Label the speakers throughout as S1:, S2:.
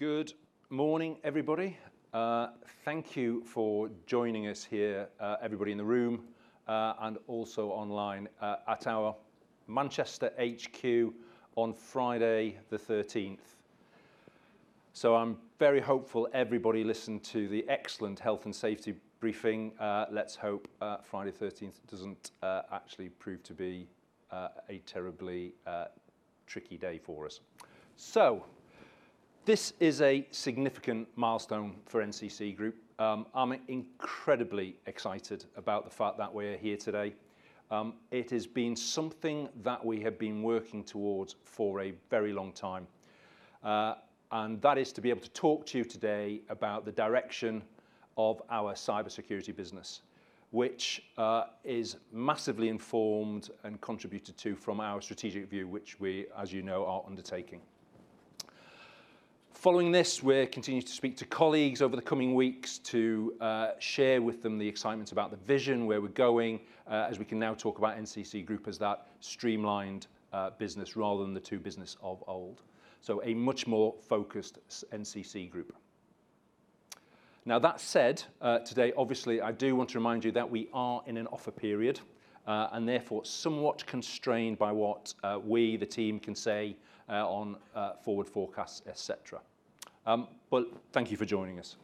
S1: Good morning, everybody. Thank you for joining us here, everybody in the room, and also online, at our Manchester HQ on Friday the thirteenth. I'm very hopeful everybody listened to the excellent health and safety briefing. Let's hope Friday the thirteenth doesn't actually prove to be a terribly tricky day for us. This is a significant milestone for NCC Group. I'm incredibly excited about the fact that we're here today. It has been something that we have been working towards for a very long time, and that is to be able to talk to you today about the direction of our cybersecurity business, which is massively informed and contributed to from our strategic view, which we, as you know, are undertaking. Following this, we're continuing to speak to colleagues over the coming weeks to share with them the excitement about the vision, where we're going, as we can now talk about NCC Group as that streamlined business rather than the two businesses of old. A much more focused NCC Group. Now, that said, today, obviously, I do want to remind you that we are in an offer period and therefore somewhat constrained by what we, the team, can say on forward forecasts, etcetera. Thank you for joining us.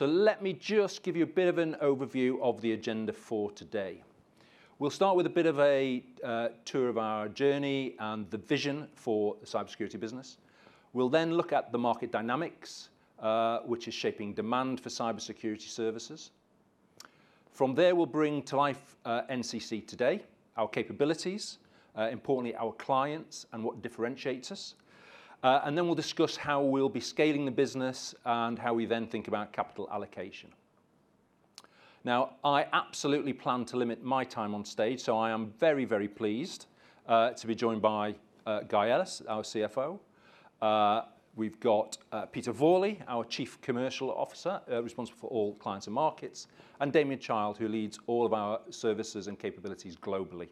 S1: Let me just give you a bit of an overview of the agenda for today. We'll start with a bit of a tour of our journey and the vision for the cybersecurity business. We'll then look at the market dynamics which is shaping demand for cybersecurity services. From there, we'll bring to life, NCC today, our capabilities, importantly, our clients, and what differentiates us. Then we'll discuss how we'll be scaling the business and how we then think about capital allocation. Now, I absolutely plan to limit my time on stage, so I am very, very pleased to be joined by Guy Ellis, our CFO. We've got Peter Vorley, our Chief Commercial Officer, responsible for all clients and markets, and Damien Childs, who leads all of our services and capabilities globally.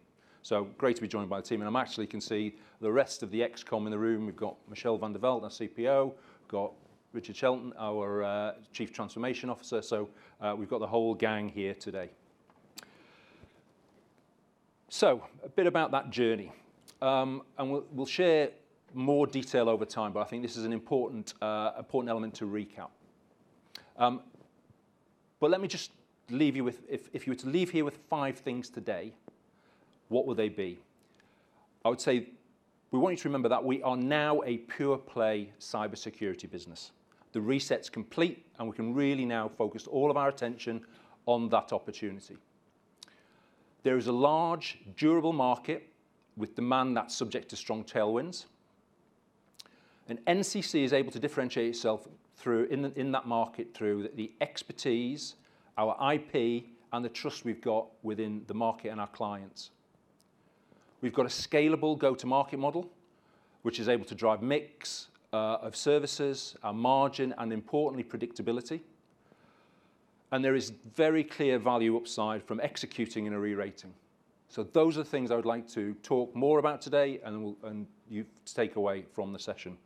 S1: Great to be joined by the team. I actually can see the rest of the ExCo in the room. We've got Michelle Van de Velde, our CPO, got Richard Shelton, our Chief Transformation Officer. We've got the whole gang here today. A bit about that journey. We'll share more detail over time, but I think this is an important element to recap. Let me just leave you with, if you were to leave here with five things today, what would they be? I would say we want you to remember that we are now a pure play cybersecurity business. The reset's complete, and we can really now focus all of our attention on that opportunity. There is a large durable market with demand that's subject to strong tailwinds. NCC is able to differentiate itself through, in that market, through the expertise, our IP, and the trust we've got within the market and our clients. We've got a scalable go-to-market model, which is able to drive mix of services, our margin, and importantly, predictability. There is very clear value upside from executing in a rerating. Those are things I would like to talk more about today and you take away from the session.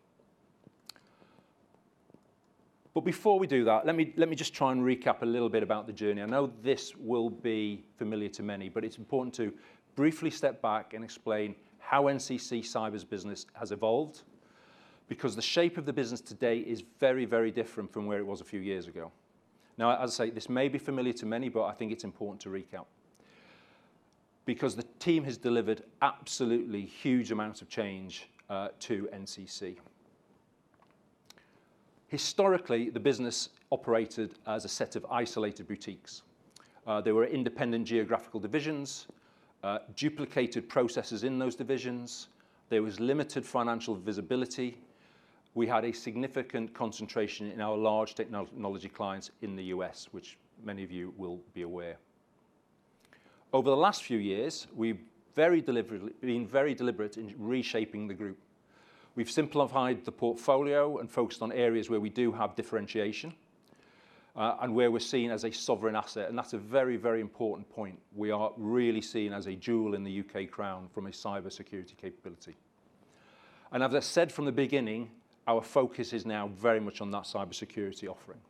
S1: Before we do that, let me just try and recap a little bit about the journey. I know this will be familiar to many, but it's important to briefly step back and explain how NCC Cyber's business has evolved, because the shape of the business today is very, very different from where it was a few years ago. Now, as I say, this may be familiar to many, but I think it's important to recap because the team has delivered absolutely huge amounts of change to NCC. Historically, the business operated as a set of isolated boutiques. There were independent geographical divisions, duplicated processes in those divisions. There was limited financial visibility. We had a significant concentration in our large technology clients in the U.S., which many of you will be aware. Over the last few years, we've been very deliberate in reshaping the group. We've simplified the portfolio and focused on areas where we do have differentiation, and where we're seen as a sovereign asset. That's a very, very important point. We are really seen as a jewel in the U.K. crown from a cybersecurity capability. As I said from the beginning, our focus is now very much on that cybersecurity offering.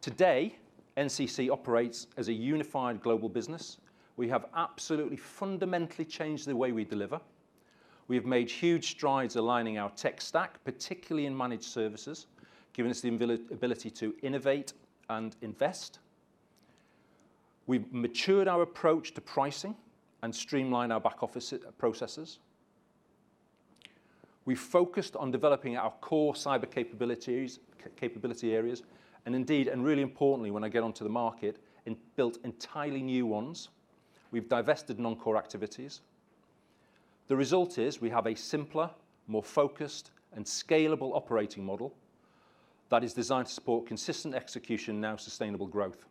S1: Today, NCC operates as a unified global business. We have absolutely fundamentally changed the way we deliver. We have made huge strides aligning our tech stack, particularly in managed services, giving us the ability to innovate and invest. We've matured our approach to pricing and streamlined our back office processes. We've focused on developing our core cyber capabilities, capability areas, and indeed, really importantly, built entirely new ones. We've divested non-core activities. The result is we have a simpler, more focused, and scalable operating model that is designed to support consistent execution and sustainable growth.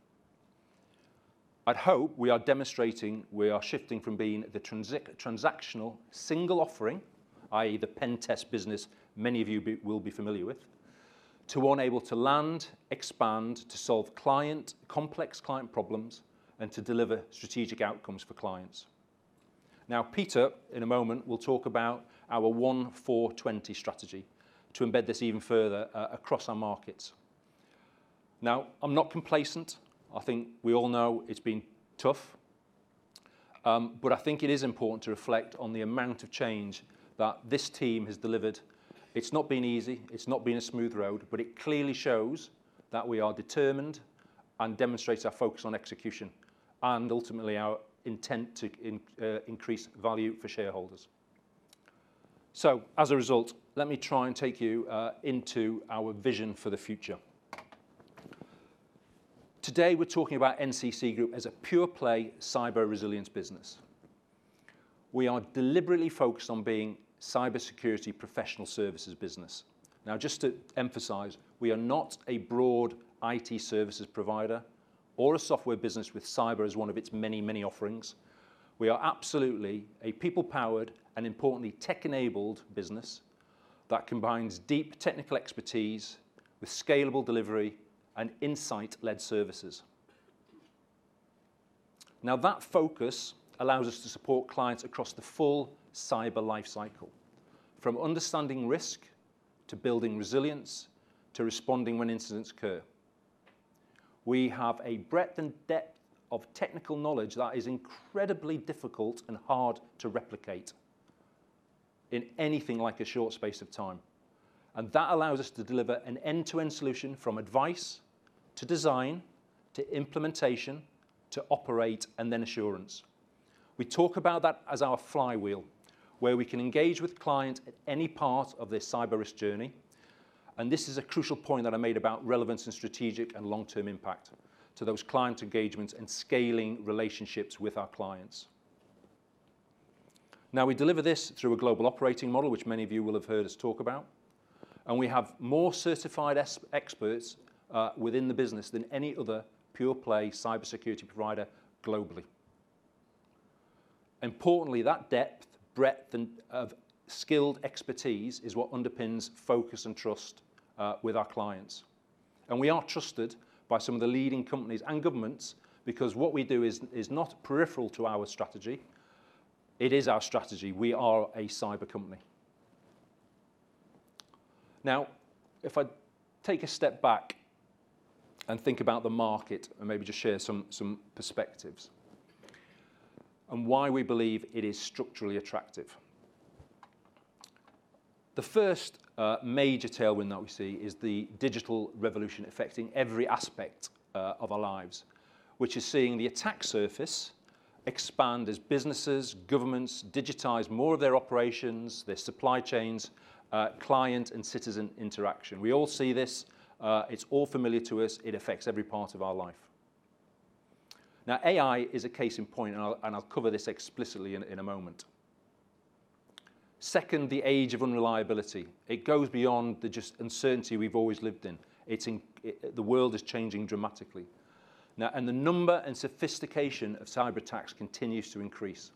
S1: I hope we are demonstrating we are shifting from being the transactional single offering, i.e., the pen test business many of you will be familiar with. To one able to land, expand, to solve complex client problems, and to deliver strategic outcomes for clients. Now, Peter, in a moment, will talk about our 1-4-20 strategy to embed this even further across our markets. Now, I'm not complacent. I think we all know it's been tough. I think it is important to reflect on the amount of change that this team has delivered. It's not been easy, it's not been a smooth road, but it clearly shows that we are determined and demonstrates our focus on execution, and ultimately our intent to increase value for shareholders. As a result, let me try and take you into our vision for the future. Today we're talking about NCC Group as a pure-play cyber resilience business. We are deliberately focused on being cybersecurity professional services business. Now, just to emphasize, we are not a broad IT services provider or a software business with cyber as one of its many, many offerings. We are absolutely a people-powered and importantly tech-enabled business that combines deep technical expertise with scalable delivery and insight-led services. Now, that focus allows us to support clients across the full cyber life cycle, from understanding risk, to building resilience, to responding when incidents occur. We have a breadth and depth of technical knowledge that is incredibly difficult and hard to replicate in anything like a short space of time, and that allows us to deliver an end-to-end solution from advice, to design, to implementation, to operate, and then assurance. We talk about that as our flywheel, where we can engage with clients at any part of their cyber risk journey, and this is a crucial point that I made about relevance and strategic and long-term impact to those client engagements and scaling relationships with our clients. Now, we deliver this through a global operating model, which many of you will have heard us talk about, and we have more certified experts within the business than any other pure-play cybersecurity provider globally. Importantly, that depth and breadth of skilled expertise is what underpins focus and trust with our clients. We are trusted by some of the leading companies and governments because what we do is not peripheral to our strategy, it is our strategy. We are a cyber company. Now, if I take a step back and think about the market, and maybe just share some perspectives and why we believe it is structurally attractive. The first major tailwind that we see is the digital revolution affecting every aspect of our lives, which is seeing the attack surface expand as businesses, governments digitize more of their operations, their supply chains, client and citizen interaction. We all see this, it's all familiar to us. It affects every part of our life. Now, AI is a case in point, and I'll cover this explicitly in a moment. Second, the age of unreliability. It goes beyond the just uncertainty we've always lived in. The world is changing dramatically now, and the number and sophistication of cyber attacks continues to increase,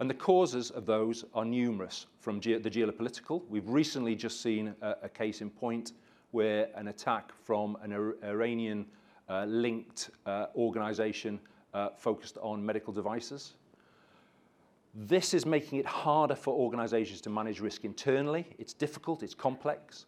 S1: and the causes of those are numerous. From the geopolitical, we've recently seen a case in point where an attack from an Iranian linked organization focused on medical devices. This is making it harder for organizations to manage risk internally. It's difficult, it's complex.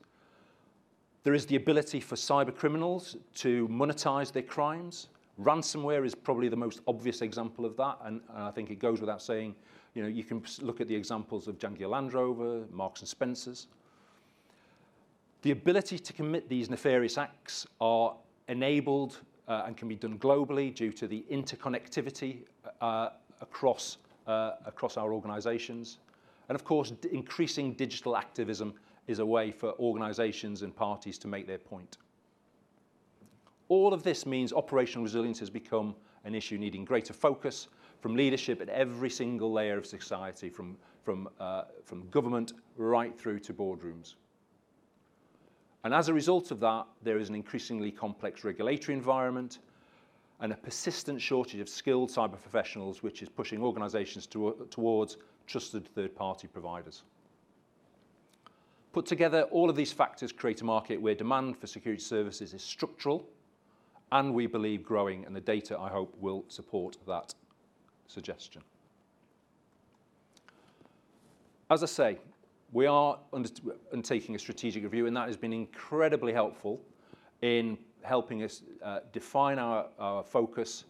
S1: There is the ability for cyber criminals to monetize their crimes. Ransomware is probably the most obvious example of that, and I think it goes without saying, you know, you can look at the examples of Jaguar Land Rover, Marks & Spencer. The ability to commit these nefarious acts are enabled, and can be done globally due to the interconnectivity across our organizations. Of course, increasing digital activism is a way for organizations and parties to make their point. All of this means operational resilience has become an issue needing greater focus from leadership at every single layer of society, from government right through to boardrooms. As a result of that, there is an increasingly complex regulatory environment and a persistent shortage of skilled cyber professionals, which is pushing organizations toward trusted third-party providers. Put together, all of these factors create a market where demand for security services is structural, and we believe growing, and the data, I hope, will support that suggestion. As I say, we are undertaking a strategic review, and that has been incredibly helpful in helping us define our focus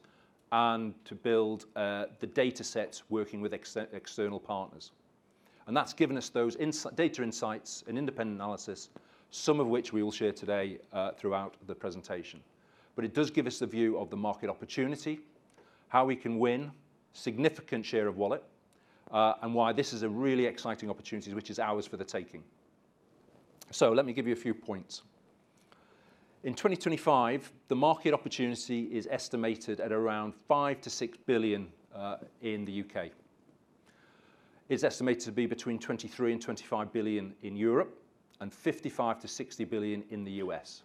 S1: and to build the datasets working with external partners. That's given us those data insights and independent analysis, some of which we will share today throughout the presentation. But it does give us the view of the market opportunity, how we can win significant share of wallet, and why this is a really exciting opportunity which is ours for the taking. Let me give you a few points. In 2025, the market opportunity is estimated at around 5-6 billion in the U.K.. It's estimated to be 23-25 billion in Europe and $55-60 billion in the US.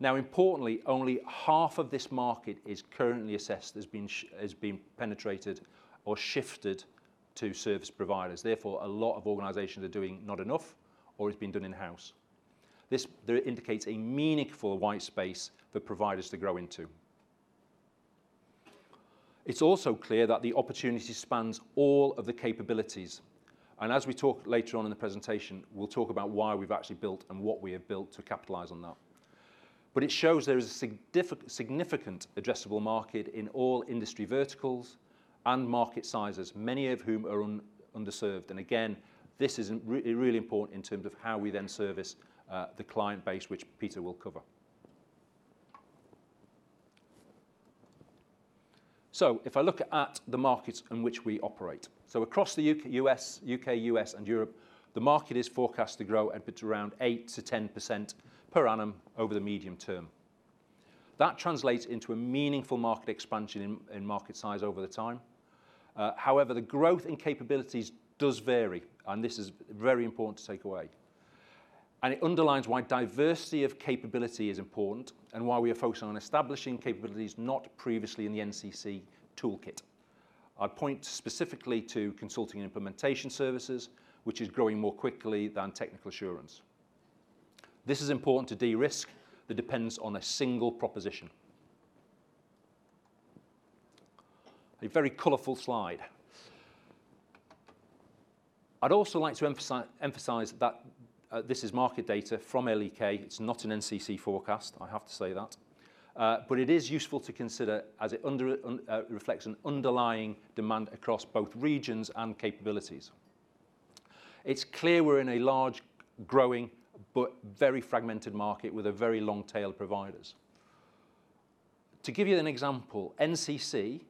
S1: Now, importantly, only half of this market is currently assessed as being penetrated or shifted to service providers. Therefore, a lot of organizations are doing not enough, or it's been done in-house. This indicates a meaningful white space for providers to grow into. It's also clear that the opportunity spans all of the capabilities, and as we talk later on in the presentation, we'll talk about why we've actually built and what we have built to capitalize on that. It shows there is a significant addressable market in all industry verticals and market sizes, many of whom are underserved. This is really important in terms of how we then service the client base, which Peter will cover. If I look at the markets in which we operate. Across the U.K., U.S., and Europe, the market is forecast to grow at around 8%-10% per annum over the medium term. That translates into a meaningful market expansion in market size over the time. However, the growth in capabilities does vary, and this is very important to take away. It underlines why diversity of capability is important and why we are focusing on establishing capabilities not previously in the NCC toolkit. I point specifically to consulting and implementation services, which is growing more quickly than Technical Assurance. This is important to de-risk the dependence on a single proposition. A very colorful slide. I'd also like to emphasize that this is market data from L.E.K.. It's not an NCC forecast, I have to say that. But it is useful to consider as it reflects an underlying demand across both regions and capabilities. It's clear we're in a large, growing, but very fragmented market with a very long tail of providers. To give you an example, NCC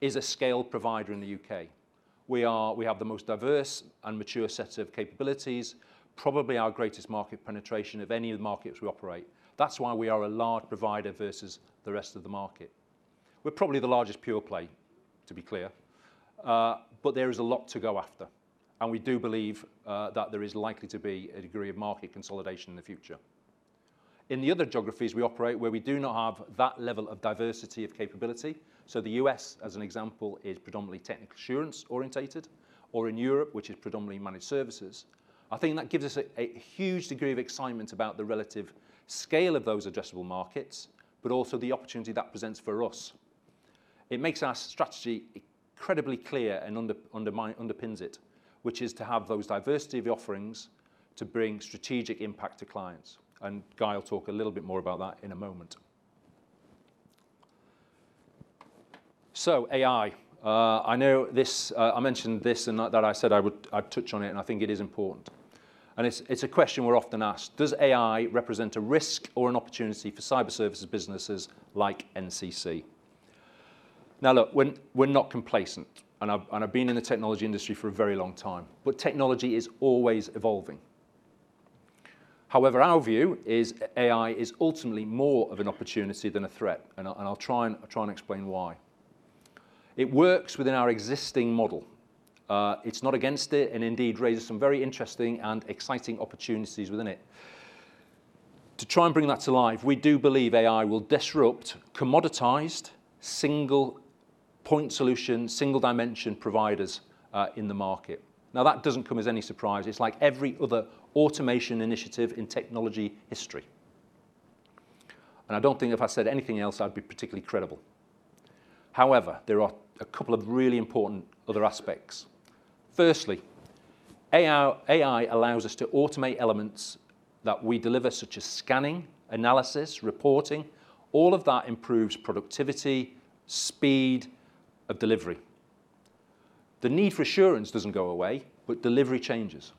S1: is a scale provider in the UK. We have the most diverse and mature set of capabilities, probably our greatest market penetration of any of the markets we operate. That's why we are a large provider versus the rest of the market. We're probably the largest pure play, to be clear. There is a lot to go after, and we do believe that there is likely to be a degree of market consolidation in the future. In the other geographies we operate where we do not have that level of diversity of capability, so the U.S., as an example, is predominantly Technical Assurance-oriented, or in Europe, which is predominantly Managed Services. I think that gives us a huge degree of excitement about the relative scale of those addressable markets, but also the opportunity that presents for us. It makes our strategy incredibly clear and underpins it, which is to have those diversity of offerings to bring strategic impact to clients. Guy will talk a little bit more about that in a moment. AI, I know this, I mentioned this and that I said I'd touch on it, and I think it is important. It's a question we're often asked, does AI represent a risk or an opportunity for cyber services businesses like NCC? Now look, we're not complacent, and I've been in the technology industry for a very long time, but technology is always evolving. However, our view is AI is ultimately more of an opportunity than a threat, and I'll try and explain why. It works within our existing model. It's not against it, and indeed raises some very interesting and exciting opportunities within it. To try and bring that to life, we do believe AI will disrupt commoditized, single point solution, single dimension providers, in the market. Now, that doesn't come as any surprise. It's like every other automation initiative in technology history. I don't think if I said anything else, I'd be particularly credible. However, there are a couple of really important other aspects. Firstly, AI allows us to automate elements that we deliver, such as scanning, analysis, reporting. All of that improves productivity, speed of delivery. The need for assurance doesn't go away, but delivery changes.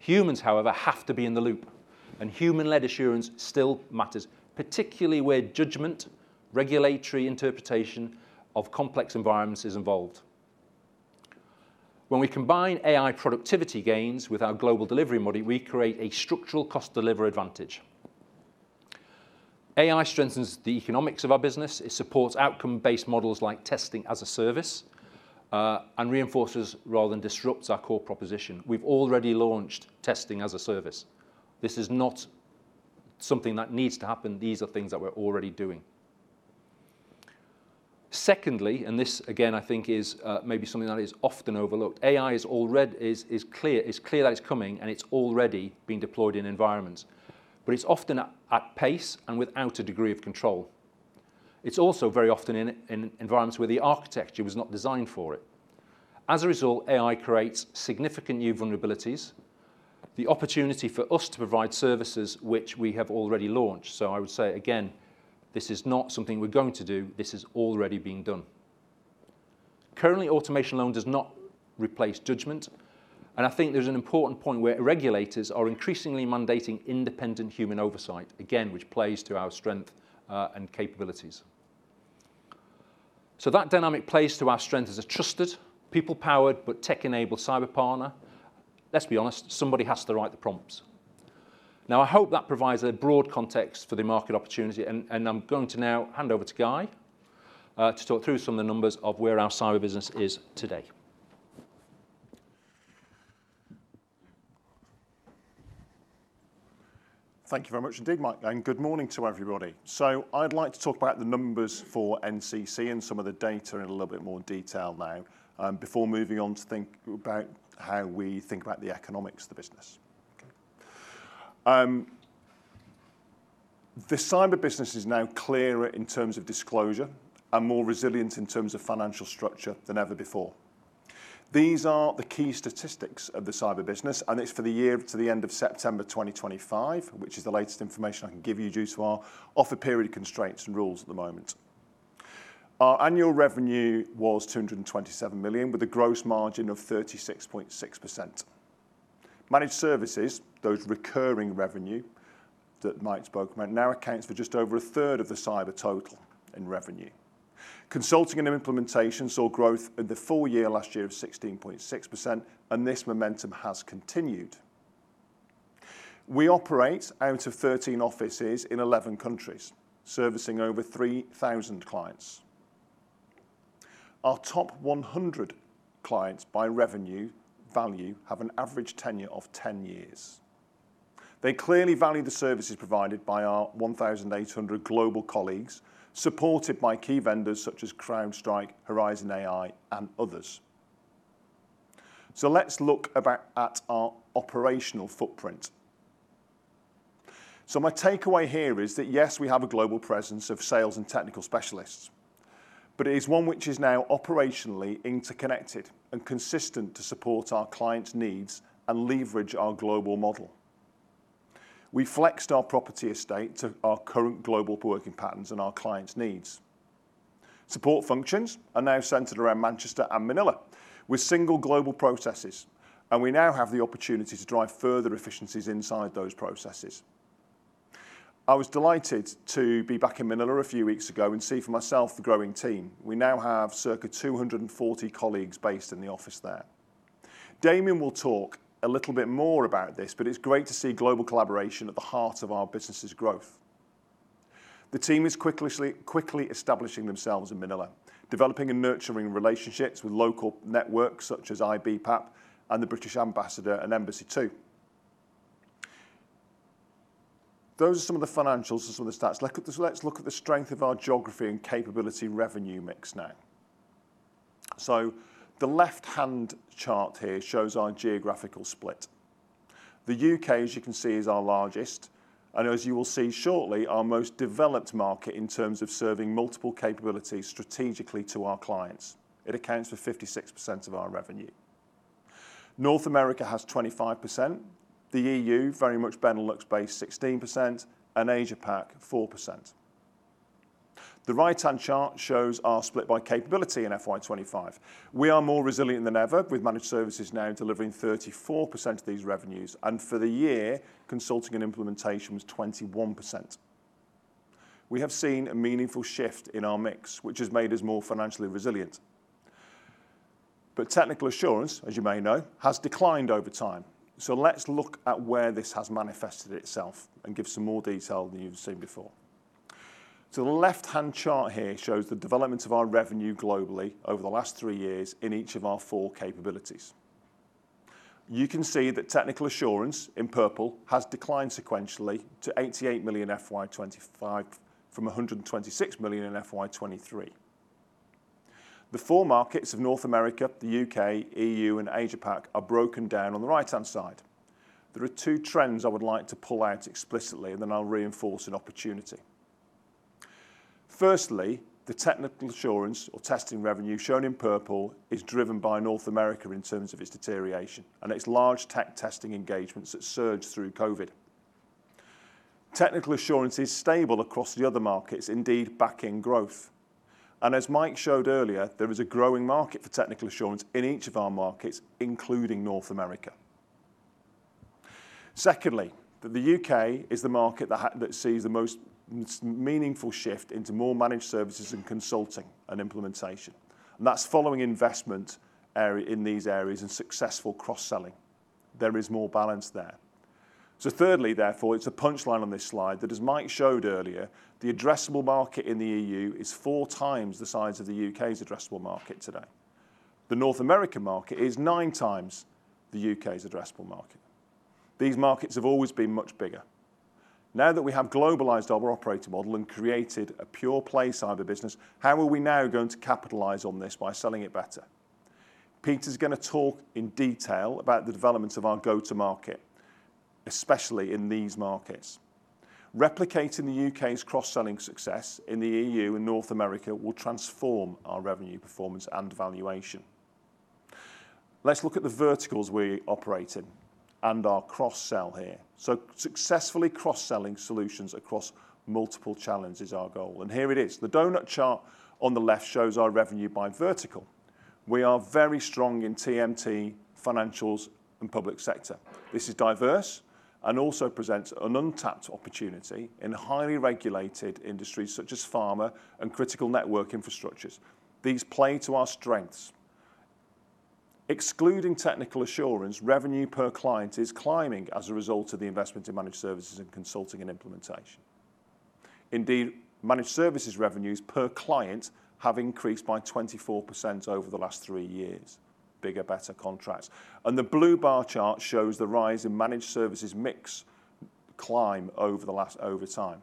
S1: Humans, however, have to be in the loop, and human-led assurance still matters, particularly where judgment, regulatory interpretation of complex environments is involved. When we combine AI productivity gains with our global delivery model, we create a structural cost delivery advantage. AI strengthens the economics of our business. It supports outcome-based models like Testing as a Service and reinforces rather than disrupts our core proposition. We've already launched Testing as a Service. This is not something that needs to happen. These are things that we're already doing. Secondly, this again I think is maybe something that is often overlooked. It's clear that it's coming, and it's already being deployed in environments. It's often at pace and without a degree of control. It's also very often in environments where the architecture was not designed for it. As a result, AI creates significant new vulnerabilities, the opportunity for us to provide services which we have already launched. I would say again, this is not something we're going to do. This is already being done. Currently, automation alone does not replace judgment, and I think there's an important point where regulators are increasingly mandating independent human oversight, again, which plays to our strength, and capabilities. That dynamic plays to our strength as a trusted, people-powered, but tech-enabled cyber partner. Let's be honest, somebody has to write the prompts. Now, I hope that provides a broad context for the market opportunity, and I'm going to now hand over to Guy, to talk through some of the numbers of where our cyber business is today.
S2: Thank you very much indeed, Mike, and good morning to everybody. I'd like to talk about the numbers for NCC and some of the data in a little bit more detail now, before moving on to think about how we think about the economics of the business. The cyber business is now clearer in terms of disclosure and more resilient in terms of financial structure than ever before. These are the key statistics of the cyber business, and it's for the year to the end of September 2025, which is the latest information I can give you due to our offer period constraints and rules at the moment. Our annual revenue was 227 million, with a gross margin of 36.6%. Managed Services, those recurring revenue that Mike spoke about, now accounts for just over a third of the cyber total in revenue. Consulting and Implementation saw growth in the full year last year of 16.6%, and this momentum has continued. We operate out of 13 offices in 11 countries, servicing over 3,000 clients. Our top 100 clients by revenue value have an average tenure of 10 years. They clearly value the services provided by our 1,800 global colleagues, supported by key vendors such as CrowdStrike, Horizon3.ai, and others. Let's look at our operational footprint. My takeaway here is that, yes, we have a global presence of sales and technical specialists, but it is one which is now operationally interconnected and consistent to support our clients' needs and leverage our global model. We flexed our property estate to our current global working patterns and our clients' needs. Support functions are now centered around Manchester and Manila with single global processes, and we now have the opportunity to drive further efficiencies inside those processes. I was delighted to be back in Manila a few weeks ago and see for myself the growing team. We now have circa 240 colleagues based in the office there. Damien will talk a little bit more about this, but it's great to see global collaboration at the heart of our business's growth. The team is quickly establishing themselves in Manila, developing and nurturing relationships with local networks such as IBPAP and the British Ambassador and Embassy too. Those are some of the financials and some of the stats. Let's look at the strength of our geography and capability revenue mix now. The left-hand chart here shows our geographical split. The U.K., as you can see, is our largest, and as you will see shortly, our most developed market in terms of serving multiple capabilities strategically to our clients. It accounts for 56% of our revenue. North America has 25%. The EU, very much Benelux-based, 16%, and Asia Pac, 4%. The right-hand chart shows our split by capability in FY 2025. We are more resilient than ever, with Managed Services now delivering 34% of these revenues, and for the year, Consulting & Implementation was 21%. We have seen a meaningful shift in our mix, which has made us more financially resilient. But Technical Assurance, as you may know, has declined over time. Let's look at where this has manifested itself and give some more detail than you've seen before. The left-hand chart here shows the development of our revenue globally over the last three years in each of our four capabilities. You can see that technical assurance, in purple, has declined sequentially to 88 million FY 2025 from 126 million in FY 2023. The four markets of North America, the U.K., EU, and Asia Pac are broken down on the right-hand side. There are two trends I would like to pull out explicitly, and then I'll reinforce an opportunity. Firstly, the technical assurance or testing revenue shown in purple is driven by North America in terms of its deterioration and its large tech testing engagements that surged through COVID. Technical assurance is stable across the other markets, indeed back in growth. As Mike showed earlier, there is a growing market for technical assurance in each of our markets, including North America. Secondly, that the U.K. is the market that sees the most meaningful shift into more managed services and consulting & implementation. That's following investment in these areas and successful cross-selling. There is more balance there. Thirdly, therefore, it's a punchline on this slide that as Mike showed earlier, the addressable market in the EU is 4x the size of the U.K.'s addressable market today. The North American market is 9x the U.K.'s addressable market. These markets have always been much bigger. Now that we have globalized our operator model and created a pure-play cyber business, how are we now going to capitalize on this by selling it better? Peter's gonna talk in detail about the development of our go-to-market, especially in these markets. Replicating the U.K.'s cross-selling success in the EU and North America will transform our revenue performance and valuation. Let's look at the verticals we operate in and our cross-sell here. Successfully cross-selling solutions across multiple challenges is our goal, and here it is. The doughnut chart on the left shows our revenue by vertical. We are very strong in TMT, financials, and public sector. This is diverse and also presents an untapped opportunity in highly regulated industries such as pharma and critical network infrastructures. These play to our strengths. Excluding technical assurance, revenue per client is climbing as a result of the investment in managed services and consulting and implementation. Indeed, managed services revenues per client have increased by 24% over the last three years. Bigger, better contracts. The blue bar chart shows the rise in managed services mix climb over time.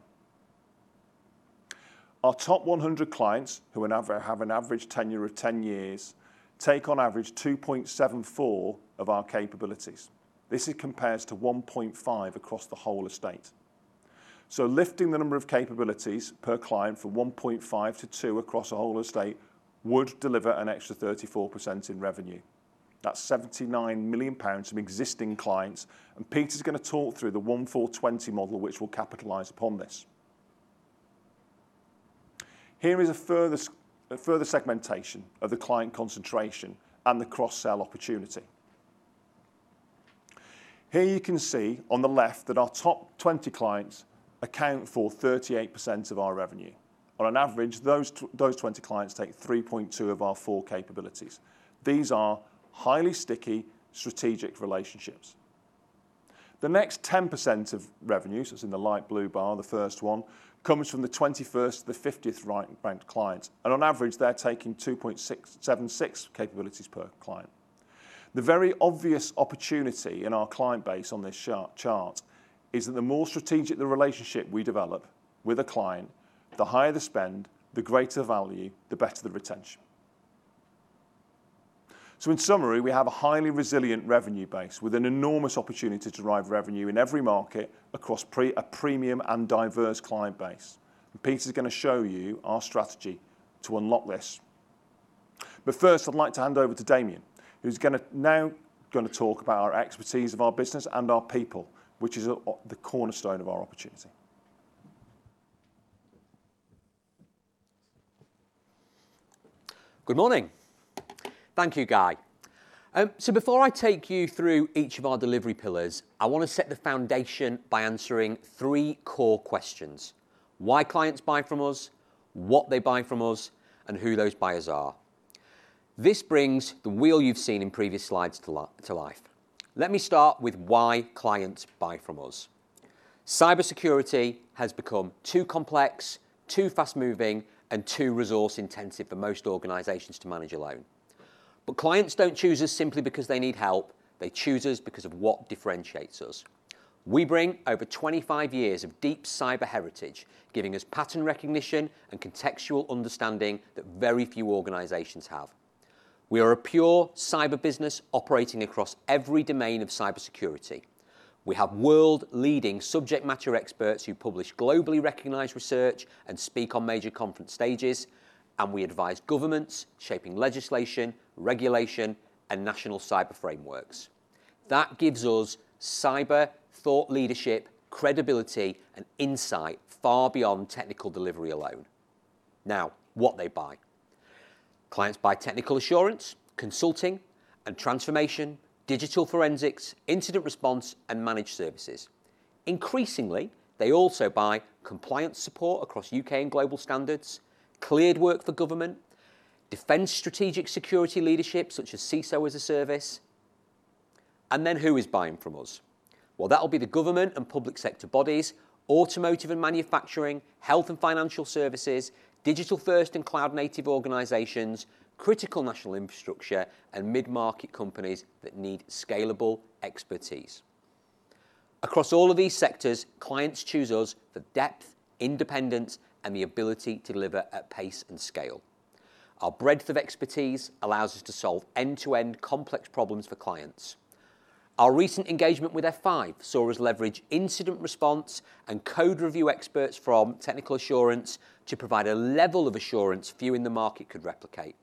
S2: Our top 100 clients, who have an average tenure of 10 years, take on average 2.74 of our capabilities. This compares to 1.5 across the whole estate. Lifting the number of capabilities per client from 1.5 to 2 across a whole estate would deliver an extra 34% in revenue. That's £79 million from existing clients, and Peter's gonna talk through the 1/4-20 model which will capitalize upon this. Here is a further segmentation of the client concentration and the cross-sell opportunity. Here you can see on the left that our top 20 clients account for 38% of our revenue. On an average, those twenty clients take 3.2 of our four capabilities. These are highly sticky strategic relationships. The next 10% of revenues, that's in the light blue bar, the first one, comes from the 21st to the 50th ranked client, and on average, they're taking 2.676 capabilities per client. The very obvious opportunity in our client base on this chart is that the more strategic the relationship we develop with a client, the higher the spend, the greater value, the better the retention. In summary, we have a highly resilient revenue base with an enormous opportunity to drive revenue in every market across a premium and diverse client base. Peter's gonna show you our strategy to unlock this. First, I'd like to hand over to Damien, who's gonna now talk about our expertise of our business and our people, which is a the cornerstone of our opportunity.
S3: Good morning. Thank you, Guy. So before I take you through each of our delivery pillars, I wanna set the foundation by answering three core questions. Why clients buy from us, what they buy from us, and who those buyers are. This brings the wheel you've seen in previous slides to life. Let me start with why clients buy from us. Cybersecurity has become too complex, too fast-moving, and too resource-intensive for most organizations to manage alone. Clients don't choose us simply because they need help, they choose us because of what differentiates us. We bring over 25 years of deep cyber heritage, giving us pattern recognition and contextual understanding that very few organizations have. We are a pure cyber business operating across every domain of cybersecurity. We have world-leading subject matter experts who publish globally recognized research and speak on major conference stages, and we advise governments shaping legislation, regulation, and national cyber frameworks. That gives us cyber thought leadership, credibility, and insight far beyond technical delivery alone. Now, what they buy. Clients buy Technical Assurance, consulting and transformation, Digital Forensics, Incident Response, and Managed Services. Increasingly, they also buy compliance support across UK and global standards, cleared work for government, defense strategic security leadership, such as CISO as a Service. Then who is buying from us? Well, that'll be the government and public sector bodies, automotive and manufacturing, health and financial services, digital-first and cloud-native organizations, critical national infrastructure, and mid-market companies that need scalable expertise. Across all of these sectors, clients choose us for depth, independence, and the ability to deliver at pace and scale. Our breadth of expertise allows us to solve end-to-end complex problems for clients. Our recent engagement with F5 saw us leverage incident response and code review experts from Technical Assurance to provide a level of assurance few in the market could replicate.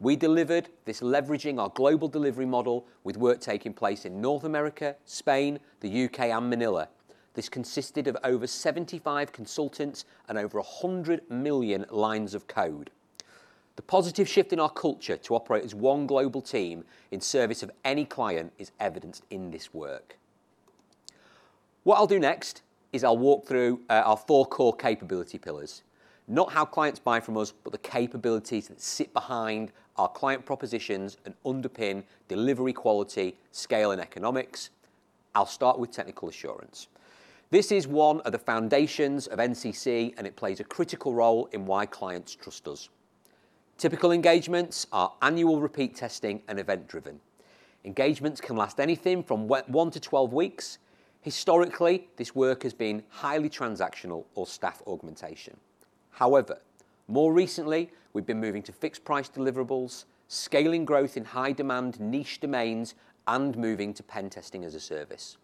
S3: We delivered this leveraging our global delivery model with work taking place in North America, Spain, the U.K., and Manila. This consisted of over 75 consultants and over 100 million lines of code. The positive shift in our culture to operate as one global team in service of any client is evidenced in this work. What I'll do next is I'll walk through our four core capability pillars. Not how clients buy from us, but the capabilities that sit behind our client propositions and underpin delivery quality, scale, and economics. I'll start with Technical Assurance. This is one of the foundations of NCC, and it plays a critical role in why clients trust us. Typical engagements are annual repeat testing and event-driven. Engagements can last anything from 1 to 12 weeks. Historically, this work has been highly transactional or staff augmentation. However, more recently, we've been moving to fixed price deliverables, scaling growth in high demand niche domains, and moving to pen testing as a service.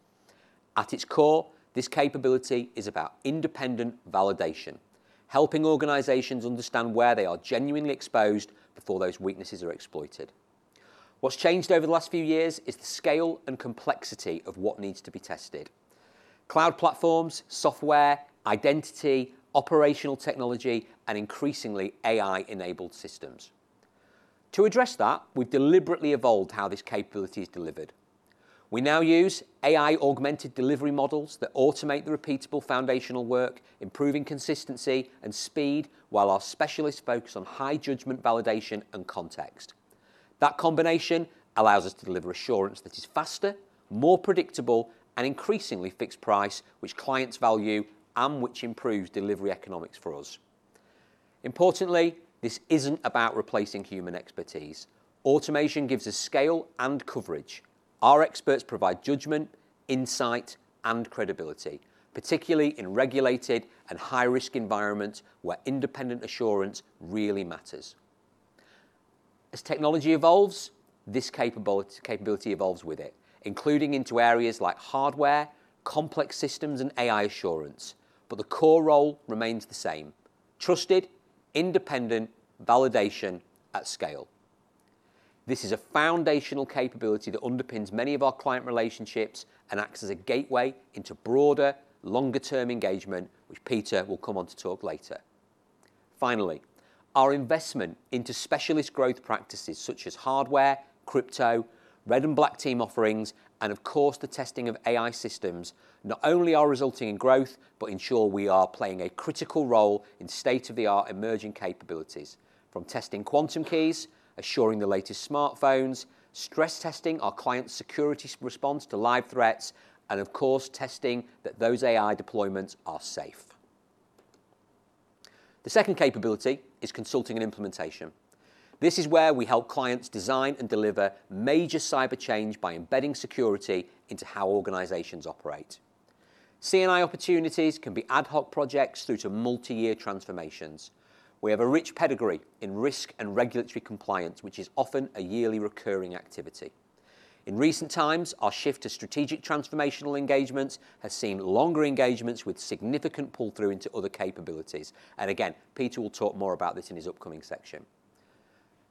S3: At its core, this capability is about independent validation, helping organizations understand where they are genuinely exposed before those weaknesses are exploited. What's changed over the last few years is the scale and complexity of what needs to be tested. Cloud platforms, software, identity, operational technology, and increasingly AI-enabled systems. To address that, we've deliberately evolved how this capability is delivered. We now use AI-augmented delivery models that automate the repeatable foundational work, improving consistency and speed, while our specialists focus on high judgment validation and context. That combination allows us to deliver assurance that is faster, more predictable, and increasingly fixed price, which clients value and which improves delivery economics for us. Importantly, this isn't about replacing human expertise. Automation gives us scale and coverage. Our experts provide judgment, insight, and credibility, particularly in regulated and high-risk environments where independent assurance really matters. As technology evolves, this capability evolves with it, including into areas like hardware, complex systems, and AI assurance, but the core role remains the same, trusted, independent validation at scale. This is a foundational capability that underpins many of our client relationships and acts as a gateway into broader, longer-term engagement, which Peter will come on to talk later. Finally, our investment into specialist growth practices such as hardware, crypto, Red Team and Black Team offerings, and of course, the testing of AI systems not only are resulting in growth, but ensure we are playing a critical role in state-of-the-art emerging capabilities, from testing quantum keys, assuring the latest smartphones, stress testing our clients' security response to live threats, and of course, testing that those AI deployments are safe. The second capability is consulting and implementation. This is where we help clients design and deliver major cyber change by embedding security into how organizations operate. C&I opportunities can be ad hoc projects through to multi-year transformations. We have a rich pedigree in risk and regulatory compliance, which is often a yearly recurring activity. In recent times, our shift to strategic transformational engagements has seen longer engagements with significant pull-through into other capabilities. Again, Peter will talk more about this in his upcoming section.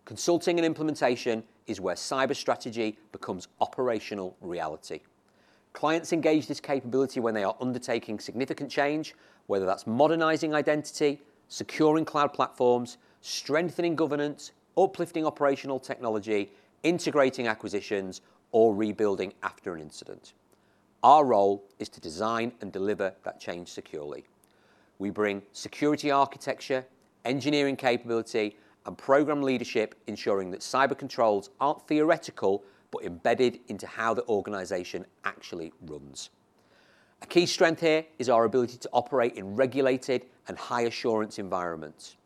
S3: Consulting & Implementation is where cyber strategy becomes operational reality. Clients engage this capability when they are undertaking significant change, whether that's modernizing identity, securing cloud platforms, strengthening governance, uplifting operational technology, integrating acquisitions, or rebuilding after an incident. Our role is to design and deliver that change securely. We bring security architecture, engineering capability, and program leadership, ensuring that cyber controls aren't theoretical, but embedded into how the organization actually runs. A key strength here is our ability to operate in regulated and high-assurance environments.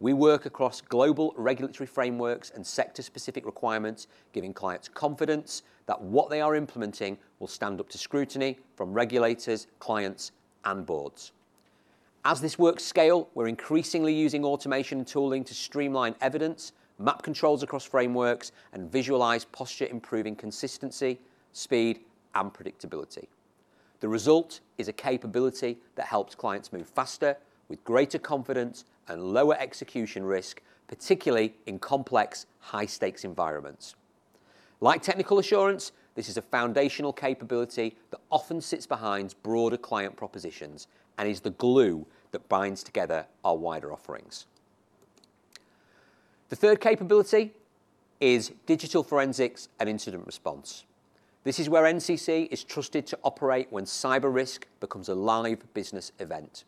S3: We work across global regulatory frameworks and sector-specific requirements, giving clients confidence that what they are implementing will stand up to scrutiny from regulators, clients, and boards. As this works scale, we're increasingly using automation and tooling to streamline evidence, map controls across frameworks, and visualize posture, improving consistency, speed, and predictability. The result is a capability that helps clients move faster with greater confidence and lower execution risk, particularly in complex high-stakes environments. Like Technical Assurance, this is a foundational capability that often sits behind broader client propositions and is the glue that binds together our wider offerings. The third capability is Digital Forensics & Incident Response. This is where NCC is trusted to operate when cyber risk becomes a live business event.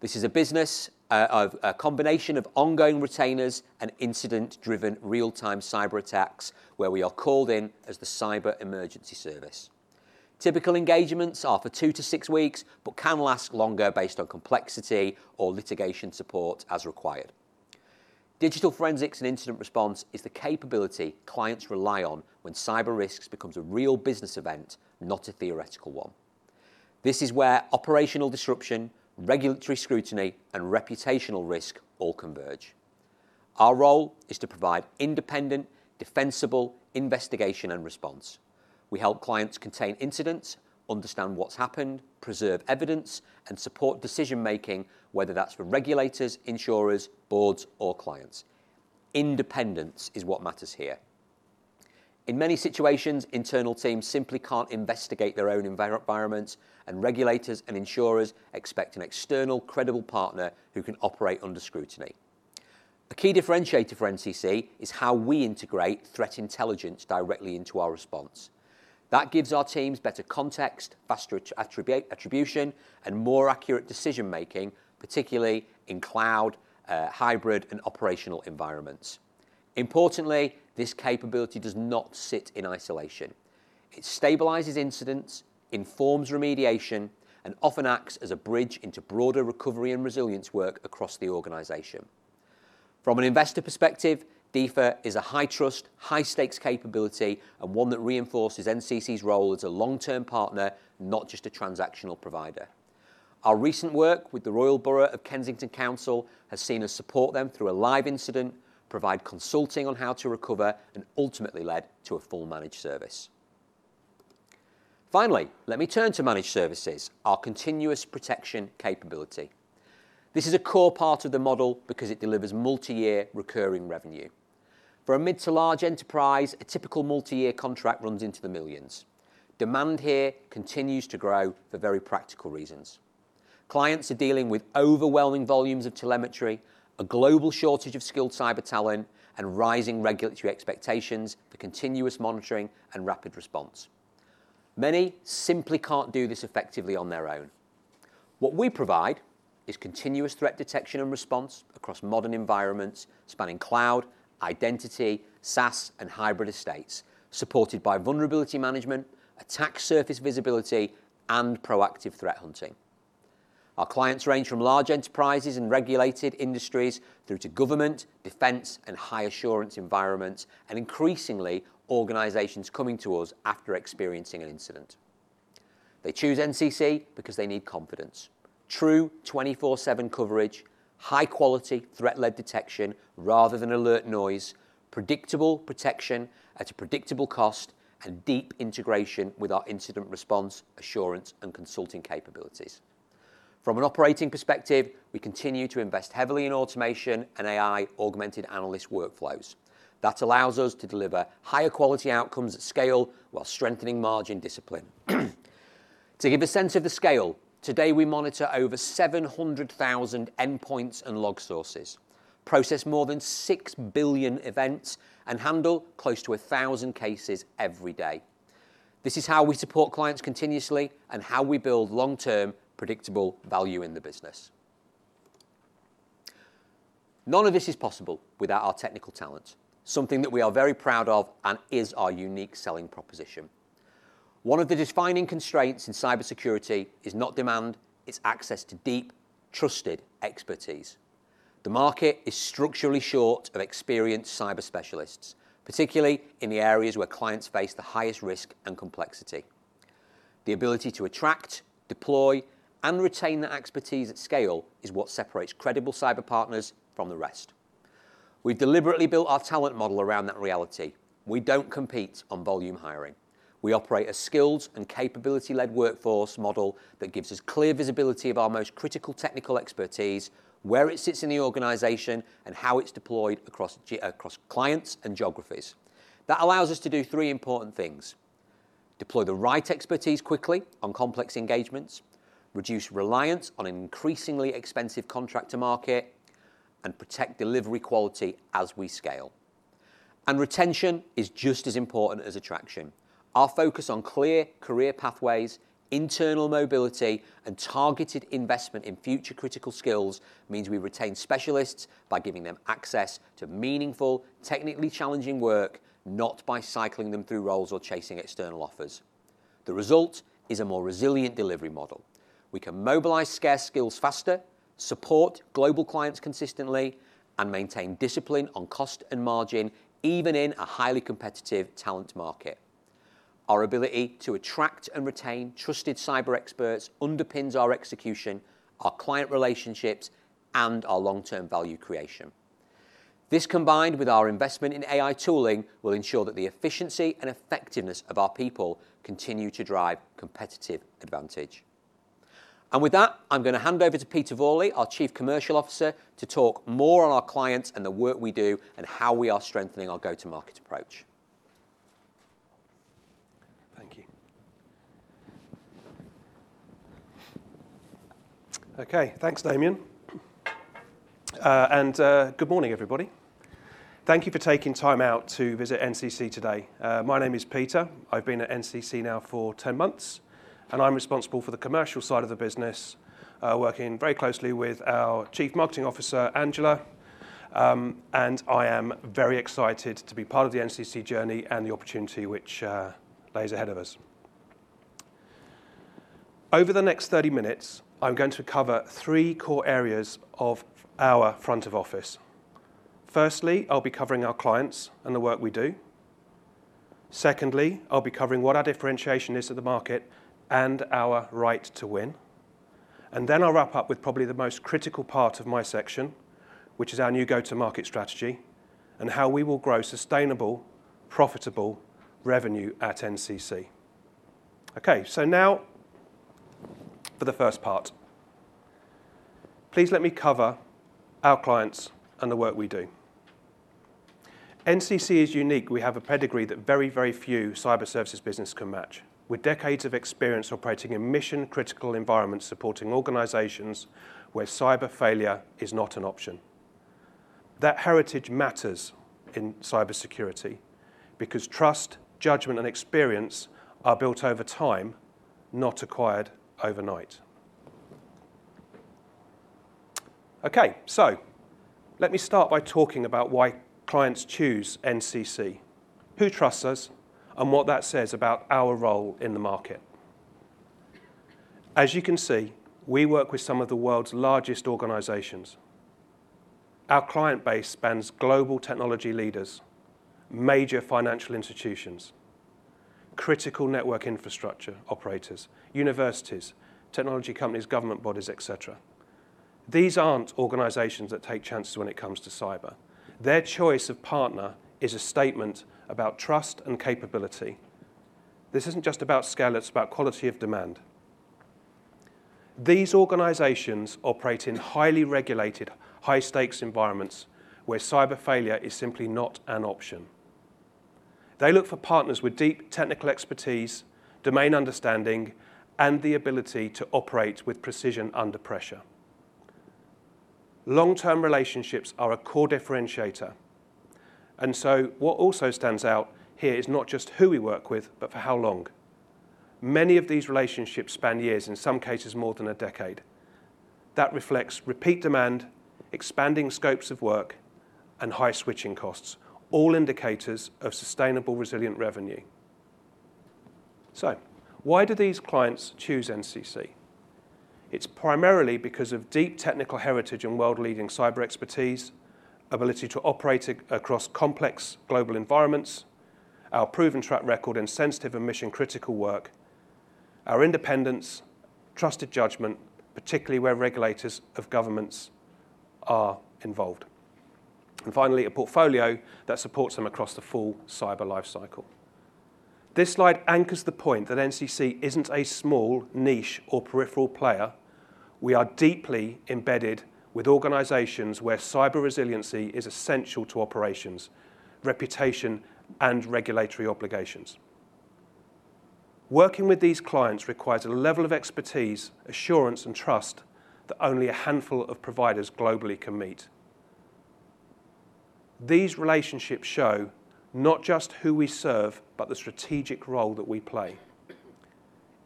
S3: This is a business of a combination of ongoing retainers and incident-driven real-time cyberattacks, where we are called in as the cyber emergency service. Typical engagements are for two to six weeks, but can last longer based on complexity or litigation support as required. Digital Forensics & Incident Response is the capability clients rely on when cyber risks becomes a real business event, not a theoretical one. This is where operational disruption, regulatory scrutiny, and reputational risk all converge. Our role is to provide independent, defensible investigation and response. We help clients contain incidents, understand what's happened, preserve evidence, and support decision-making, whether that's for regulators, insurers, boards, or clients. Independence is what matters here. In many situations, internal teams simply can't investigate their own environments, and regulators and insurers expect an external credible partner who can operate under scrutiny. A key differentiator for NCC is how we integrate threat intelligence directly into our response. That gives our teams better context, faster attribution, and more accurate decision-making, particularly in cloud, hybrid, and operational environments. Importantly, this capability does not sit in isolation. It stabilizes incidents, informs remediation, and often acts as a bridge into broader recovery and resilience work across the organization. From an investor perspective, DFIR is a high-trust, high-stakes capability and one that reinforces NCC's role as a long-term partner, not just a transactional provider. Our recent work with the Royal Borough of Kensington and Chelsea has seen us support them through a live incident, provide consulting on how to recover, and ultimately led to a full managed service. Finally, let me turn to managed services, our continuous protection capability. This is a core part of the model because it delivers multi-year recurring revenue. For a mid to large enterprise, a typical multi-year contract runs into the millions. Demand here continues to grow for very practical reasons. Clients are dealing with overwhelming volumes of telemetry, a global shortage of skilled cyber talent, and rising regulatory expectations for continuous monitoring and rapid response. Many simply can't do this effectively on their own. What we provide is continuous threat detection and response across modern environments spanning cloud, identity, SaaS, and hybrid estates, supported by vulnerability management, attack surface visibility, and proactive threat hunting. Our clients range from large enterprises and regulated industries through to government, defense, and high assurance environments, and increasingly, organizations coming to us after experiencing an incident. They choose NCC because they need confidence. True 24/7 coverage, high quality threat-led detection rather than alert noise, predictable protection at a predictable cost, and deep integration with our incident response, assurance, and consulting capabilities. From an operating perspective, we continue to invest heavily in automation and AI augmented analyst workflows. That allows us to deliver higher quality outcomes at scale while strengthening margin discipline. To give a sense of the scale, today we monitor over 700,000 endpoints and log sources, process more than 6 billion events, and handle close to 1,000 cases every day. This is how we support clients continuously and how we build long-term predictable value in the business. None of this is possible without our technical talent, something that we are very proud of and is our unique selling proposition. One of the defining constraints in cybersecurity is not demand, it's access to deep, trusted expertise. The market is structurally short of experienced cyber specialists, particularly in the areas where clients face the highest risk and complexity. The ability to attract, deploy, and retain that expertise at scale is what separates credible cyber partners from the rest. We've deliberately built our talent model around that reality. We don't compete on volume hiring. We operate a skills and capability-led workforce model that gives us clear visibility of our most critical technical expertise, where it sits in the organization, and how it's deployed across across clients and geographies. That allows us to do three important things, deploy the right expertise quickly on complex engagements, reduce reliance on an increasingly expensive contractor market, and protect delivery quality as we scale. Retention is just as important as attraction. Our focus on clear career pathways, internal mobility, and targeted investment in future critical skills means we retain specialists by giving them access to meaningful, technically challenging work, not by cycling them through roles or chasing external offers. The result is a more resilient delivery model. We can mobilize scarce skills faster, support global clients consistently, and maintain discipline on cost and margin, even in a highly competitive talent market. Our ability to attract and retain trusted cyber experts underpins our execution, our client relationships, and our long-term value creation. This, combined with our investment in AI tooling, will ensure that the efficiency and effectiveness of our people continue to drive competitive advantage. With that, I'm going to hand over to Peter Vorley, our Chief Commercial Officer, to talk more on our clients and the work we do and how we are strengthening our go-to-market approach.
S4: Thank you. Okay, thanks, Damian. Good morning, everybody. Thank you for taking time out to visit NCC today. My name is Peter. I've been at NCC now for 10 months, and I'm responsible for the commercial side of the business, working very closely with our Chief Marketing Officer, Angela. I am very excited to be part of the NCC journey and the opportunity which lies ahead of us. Over the next 30 minutes, I'm going to cover three core areas of our front office. Firstly, I'll be covering our clients and the work we do. Secondly, I'll be covering what our differentiation is to the market and our right to win. Then I'll wrap up with probably the most critical part of my section, which is our new go-to-market strategy and how we will grow sustainable, profitable revenue at NCC. Okay, now for the first part. Please let me cover our clients and the work we do. NCC is unique. We have a pedigree that very, very few cyber services business can match. With decades of experience operating in mission-critical environments, supporting organizations where cyber failure is not an option. That heritage matters in cybersecurity because trust, judgment, and experience are built over time, not acquired overnight. Okay, let me start by talking about why clients choose NCC, who trusts us, and what that says about our role in the market. As you can see, we work with some of the world's largest organizations. Our client base spans global technology leaders, major financial institutions, critical network infrastructure operators, universities, technology companies, government bodies, et cetera. These aren't organizations that take chances when it comes to cyber. Their choice of partner is a statement about trust and capability. This isn't just about scale, it's about quality of demand. These organizations operate in highly regulated, high stakes environments where cyber failure is simply not an option. They look for partners with deep technical expertise, domain understanding, and the ability to operate with precision under pressure. Long-term relationships are a core differentiator. What also stands out here is not just who we work with, but for how long. Many of these relationships span years, in some cases more than a decade. That reflects repeat demand, expanding scopes of work, and high switching costs, all indicators of sustainable, resilient revenue. Why do these clients choose NCC? It's primarily because of deep technical heritage and world-leading cyber expertise, ability to operate across complex global environments, our proven track record in sensitive and mission-critical work, our independence, trusted judgment, particularly where regulators or governments are involved, and finally, a portfolio that supports them across the full cyber life cycle. This slide anchors the point that NCC isn't a small, niche, or peripheral player. We are deeply embedded with organizations where cyber resiliency is essential to operations, reputation, and regulatory obligations. Working with these clients requires a level of expertise, assurance, and trust that only a handful of providers globally can meet. These relationships show not just who we serve, but the strategic role that we play.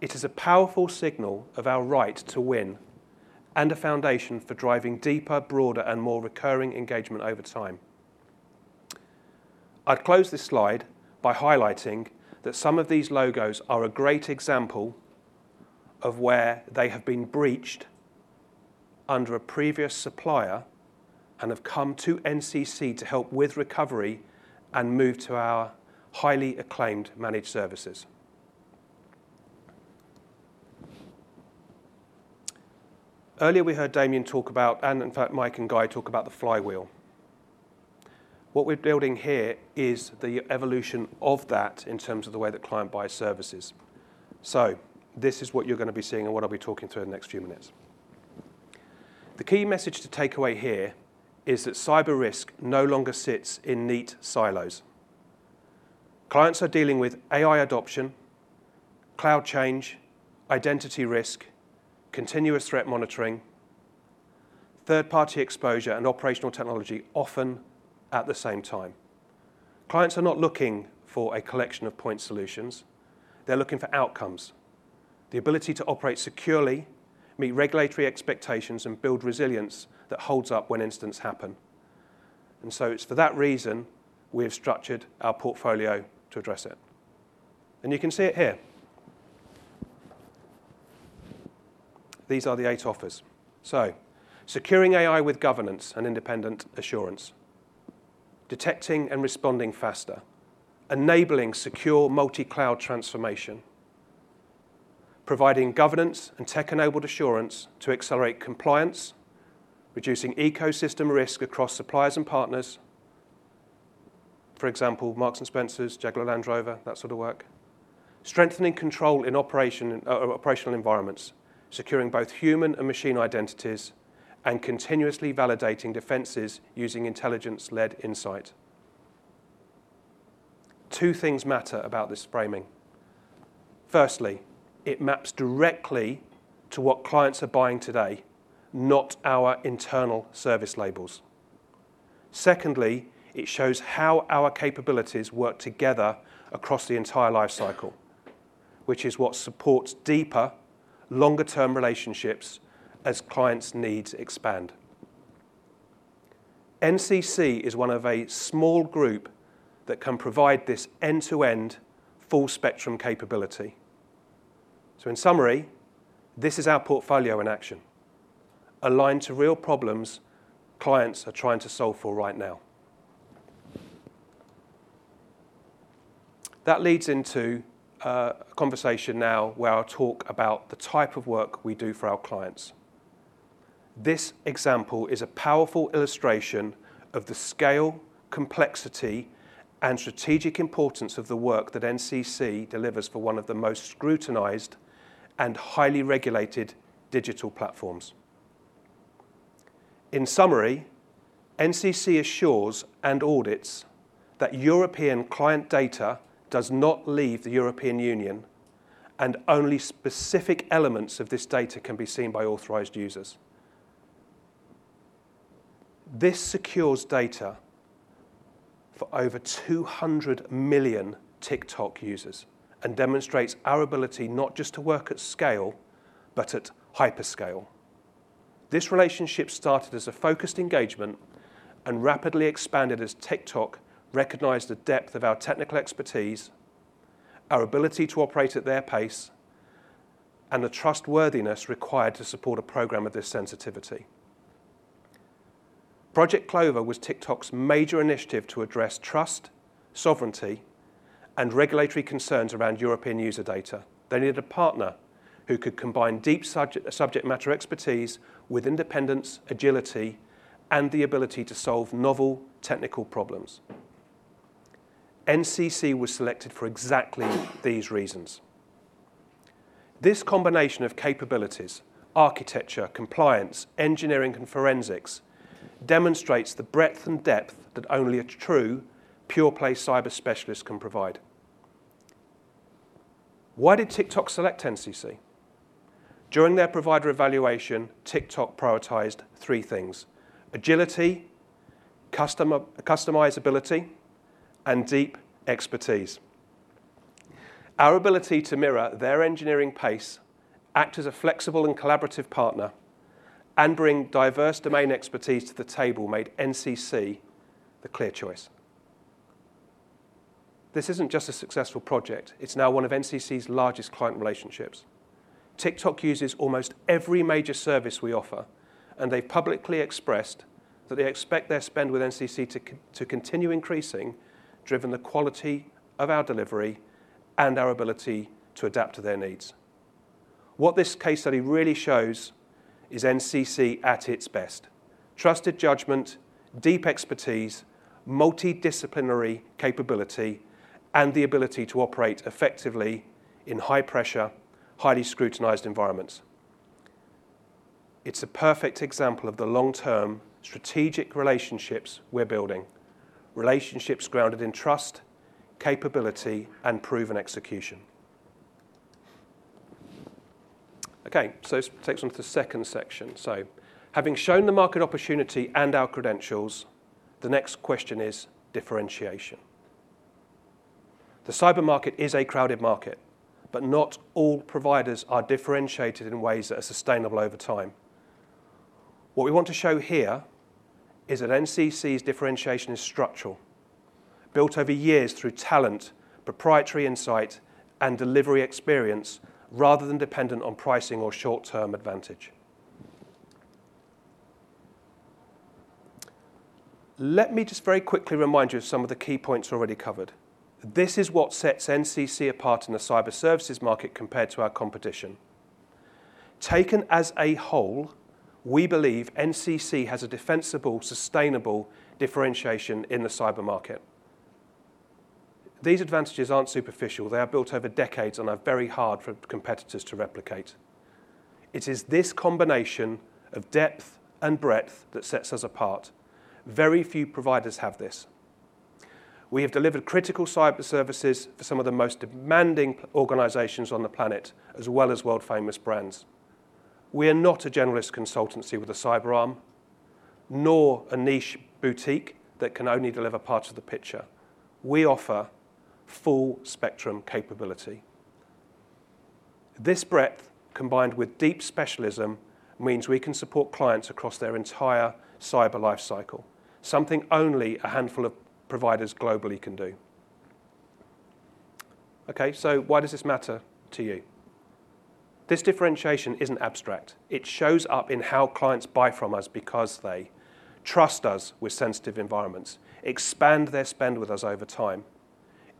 S4: It is a powerful signal of our right to win and a foundation for driving deeper, broader, and more recurring engagement over time. I'd close this slide by highlighting that some of these logos are a great example of where they have been breached under a previous supplier and have come to NCC to help with recovery and move to our highly acclaimed Managed Services. Earlier, we heard Damien talk about, and in fact, Mike and Guy talk about the flywheel. What we're building here is the evolution of that in terms of the way that client buys services. This is what you're gonna be seeing and what I'll be talking through in the next few minutes. The key message to take away here is that cyber risk no longer sits in neat silos. Clients are dealing with AI adoption, cloud change, identity risk, continuous threat monitoring, third-party exposure, and operational technology, often at the same time. Clients are not looking for a collection of point solutions. They're looking for outcomes, the ability to operate securely, meet regulatory expectations, and build resilience that holds up when incidents happen. It's for that reason we have structured our portfolio to address it. You can see it here. These are the eight offers. Securing AI with governance and independent assurance, detecting and responding faster, enabling secure multi-cloud transformation, providing governance and tech-enabled assurance to accelerate compliance, reducing ecosystem risk across suppliers and partners, for example, Marks & Spencer, Jaguar Land Rover, that sort of work, strengthening control in operational environments, securing both human and machine identities, and continuously validating defenses using intelligence-led insight. Two things matter about this framing. Firstly, it maps directly to what clients are buying today, not our internal service labels. Secondly, it shows how our capabilities work together across the entire life cycle, which is what supports deeper, longer-term relationships as clients' needs expand. NCC is one of a small group that can provide this end-to-end, full-spectrum capability. In summary, this is our portfolio in action, aligned to real problems clients are trying to solve for right now. That leads into a conversation now where I'll talk about the type of work we do for our clients. This example is a powerful illustration of the scale, complexity, and strategic importance of the work that NCC delivers for one of the most scrutinized and highly regulated digital platforms. In summary, NCC assures and audits that European client data does not leave the European Union, and only specific elements of this data can be seen by authorized users. This secures data for over 200 million TikTok users and demonstrates our ability not just to work at scale, but at hyperscale. This relationship started as a focused engagement and rapidly expanded as TikTok recognized the depth of our technical expertise, our ability to operate at their pace, and the trustworthiness required to support a program of this sensitivity. Project Clover was TikTok's major initiative to address trust, sovereignty, and regulatory concerns around European user data. They needed a partner who could combine deep subject matter expertise with independence, agility, and the ability to solve novel technical problems. NCC was selected for exactly these reasons. This combination of capabilities, architecture, compliance, engineering, and forensics demonstrates the breadth and depth that only a true pure-play cyber specialist can provide. Why did TikTok select NCC? During their provider evaluation, TikTok prioritized three things: agility, customizability, and deep expertise. Our ability to mirror their engineering pace, act as a flexible and collaborative partner, and bring diverse domain expertise to the table made NCC the clear choice. This isn't just a successful project, it's now one of NCC's largest client relationships. TikTok uses almost every major service we offer, and they've publicly expressed that they expect their spend with NCC to continue increasing, driven by the quality of our delivery and our ability to adapt to their needs. What this case study really shows is NCC at its best. Trusted judgment, deep expertise, multidisciplinary capability, and the ability to operate effectively in high-pressure, highly scrutinized environments. It's a perfect example of the long-term strategic relationships we're building. Relationships grounded in trust, capability, and proven execution. Okay, this takes us on to the second section. Having shown the market opportunity and our credentials, the next question is differentiation. The cyber market is a crowded market, but not all providers are differentiated in ways that are sustainable over time. What we want to show here is that NCC's differentiation is structural, built over years through talent, proprietary insight, and delivery experience, rather than dependent on pricing or short-term advantage. Let me just very quickly remind you of some of the key points already covered. This is what sets NCC apart in the cyber services market compared to our competition. Taken as a whole, we believe NCC has a defensible, sustainable differentiation in the cyber market. These advantages aren't superficial. They are built over decades and are very hard for competitors to replicate. It is this combination of depth and breadth that sets us apart. Very few providers have this. We have delivered critical cyber services for some of the most demanding organizations on the planet, as well as world-famous brands. We are not a generalist consultancy with a cyber arm, nor a niche boutique that can only deliver part of the picture. We offer full spectrum capability. This breadth, combined with deep specialism, means we can support clients across their entire cyber life cycle, something only a handful of providers globally can do. Okay, why does this matter to you? This differentiation isn't abstract. It shows up in how clients buy from us because they trust us with sensitive environments, expand their spend with us over time,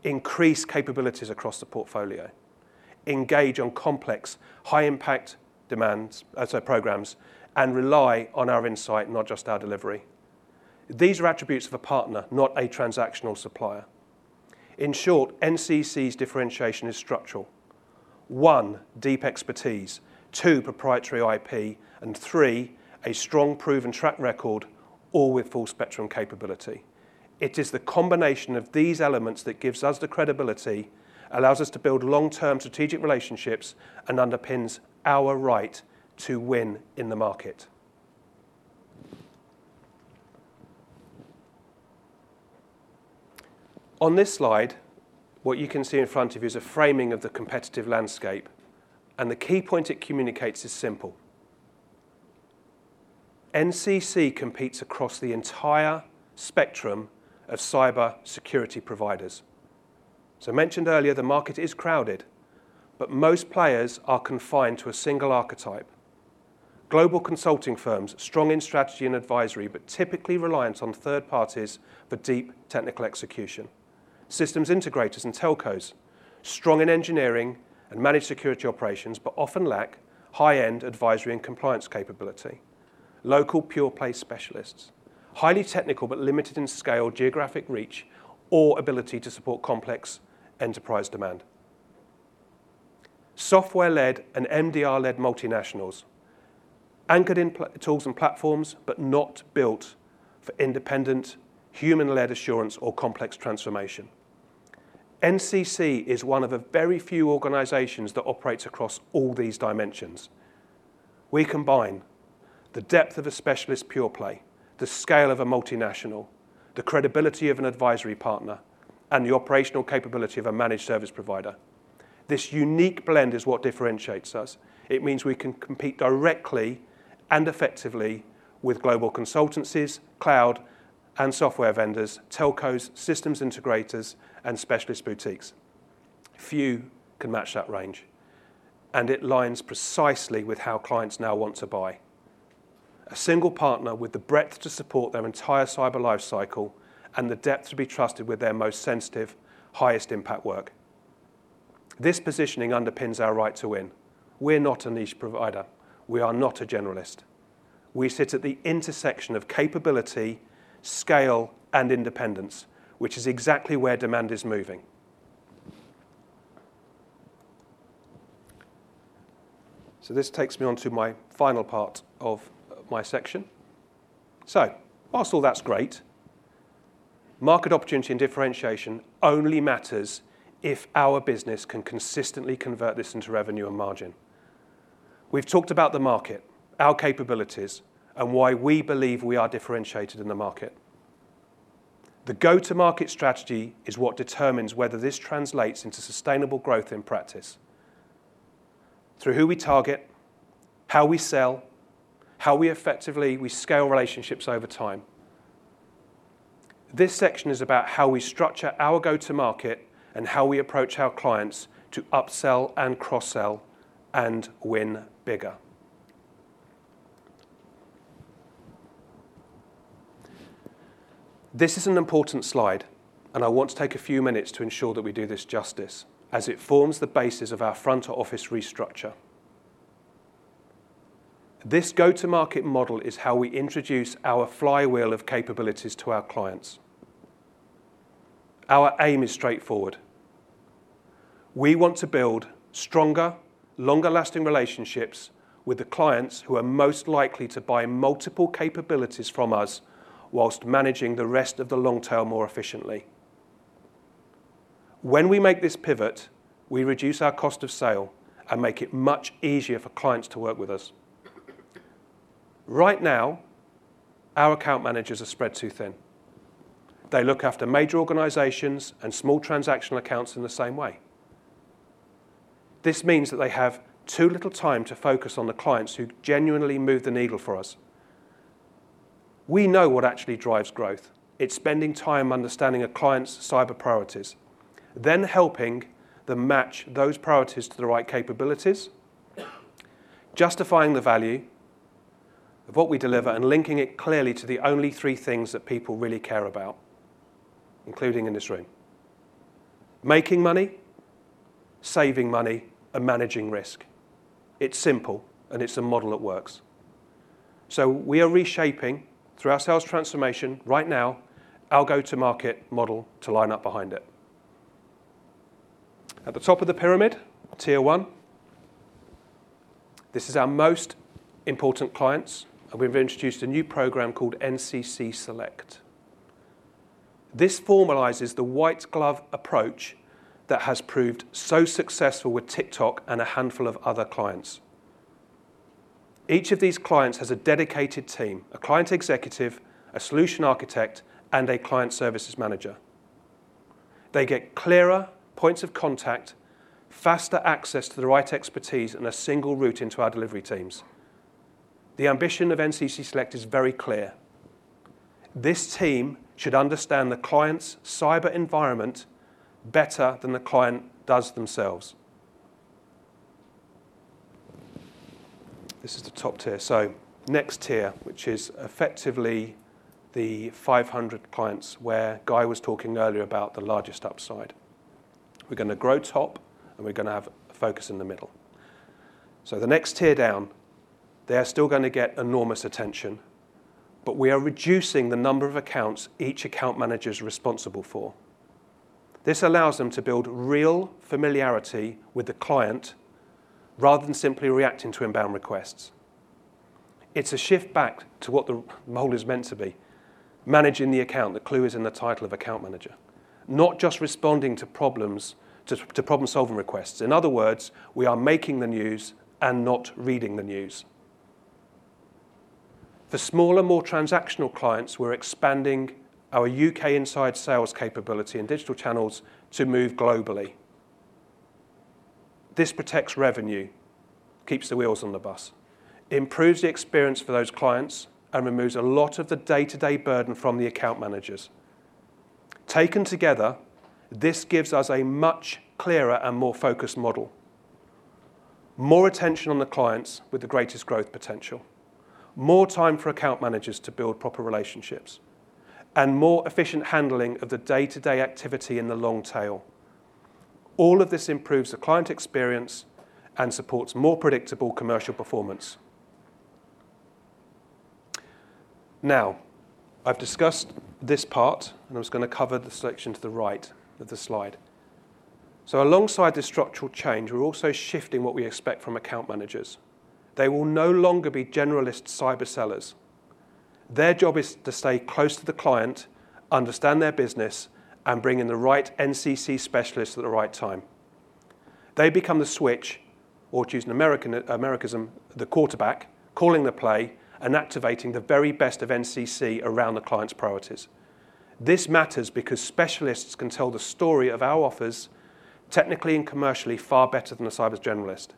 S4: increase capabilities across the portfolio, engage on complex, high-impact programs, and rely on our insight, not just our delivery. These are attributes of a partner, not a transactional supplier. In short, NCC's differentiation is structural. One, deep expertise, two, proprietary IP, and three, a strong proven track record, all with full-spectrum capability. It is the combination of these elements that gives us the credibility, allows us to build long-term strategic relationships, and underpins our right to win in the market. On this slide, what you can see in front of you is a framing of the competitive landscape, and the key point it communicates is simple. NCC competes across the entire spectrum of cybersecurity providers. As I mentioned earlier, the market is crowded, but most players are confined to a single archetype. Global consulting firms, strong in strategy and advisory, but typically reliant on third parties for deep technical execution. Systems integrators and telcos, strong in engineering and managed security operations, but often lack high-end advisory and compliance capability. Local pure-play specialists, highly technical but limited in scale, geographic reach, or ability to support complex enterprise demand. Software-led and MDR-led multinationals, anchored in platform tools and platforms, but not built for independent human-led assurance or complex transformation. NCC is one of the very few organizations that operates across all these dimensions. We combine the depth of a specialist pure play, the scale of a multinational, the credibility of an advisory partner, and the operational capability of a managed service provider. This unique blend is what differentiates us. It means we can compete directly and effectively with global consultancies, cloud and software vendors, telcos, systems integrators, and specialist boutiques. Few can match that range, and it aligns precisely with how clients now want to buy. A single partner with the breadth to support their entire cyber life cycle and the depth to be trusted with their most sensitive, highest impact work. This positioning underpins our right to win. We're not a niche provider. We are not a generalist. We sit at the intersection of capability, scale, and independence, which is exactly where demand is moving. This takes me on to my final part of my section. Whilst all that's great, market opportunity and differentiation only matters if our business can consistently convert this into revenue and margin. We've talked about the market, our capabilities, and why we believe we are differentiated in the market. The go-to-market strategy is what determines whether this translates into sustainable growth in practice through who we target, how we sell, how we effectively scale relationships over time. This section is about how we structure our go-to-market and how we approach our clients to upsell and cross-sell and win bigger. This is an important slide, and I want to take a few minutes to ensure that we do this justice as it forms the basis of our front office restructure. This go-to-market model is how we introduce our flywheel of capabilities to our clients. Our aim is straightforward. We want to build stronger, longer-lasting relationships with the clients who are most likely to buy multiple capabilities from us while managing the rest of the long tail more efficiently. When we make this pivot, we reduce our cost of sale and make it much easier for clients to work with us. Right now, our account managers are spread too thin. They look after major organizations and small transactional accounts in the same way. This means that they have too little time to focus on the clients who genuinely move the needle for us. We know what actually drives growth. It's spending time understanding a client's cyber priorities, then helping them match those priorities to the right capabilities, justifying the value of what we deliver, and linking it clearly to the only three things that people really care about, including in this room, making money, saving money, and managing risk. It's simple, and it's a model that works. We are reshaping through our sales transformation right now, our go-to-market model to line up behind it. At the top of the pyramid, tier one, this is our most important clients, and we've introduced a new program called NCC Select. This formalizes the white glove approach that has proved so successful with TikTok and a handful of other clients. Each of these clients has a dedicated team, a client executive, a solution architect, and a client services manager. They get clearer points of contact, faster access to the right expertise, and a single route into our delivery teams. The ambition of NCC Select is very clear. This team should understand the client's cyber environment better than the client does themselves. This is the top tier. Next tier, which is effectively the 500 clients where Guy was talking earlier about the largest upside. We're gonna grow top, and we're gonna have a focus in the middle. The next tier down, they are still gonna get enormous attention, but we are reducing the number of accounts each account manager is responsible for. This allows them to build real familiarity with the client rather than simply reacting to inbound requests. It's a shift back to what the role is meant to be, managing the account. The clue is in the title of account manager, not just responding to problems, to problem-solving requests. In other words, we are making the news and not reading the news. For smaller, more transactional clients, we're expanding our UK inside sales capability and digital channels to move globally. This protects revenue, keeps the wheels on the bus, improves the experience for those clients, and removes a lot of the day-to-day burden from the account managers. Taken together, this gives us a much clearer and more focused model, more attention on the clients with the greatest growth potential, more time for account managers to build proper relationships, and more efficient handling of the day-to-day activity in the long tail. All of this improves the client experience and supports more predictable commercial performance. Now, I've discussed this part, and I'm just gonna cover the section to the right of the slide. Alongside this structural change, we're also shifting what we expect from account managers. They will no longer be generalist cyber sellers. Their job is to stay close to the client, understand their business, and bring in the right NCC specialists at the right time. They become the switch or, to use an Americanism, the quarterback calling the play and activating the very best of NCC around the client's priorities. This matters because specialists can tell the story of our offers technically and commercially far better than a cyber generalist.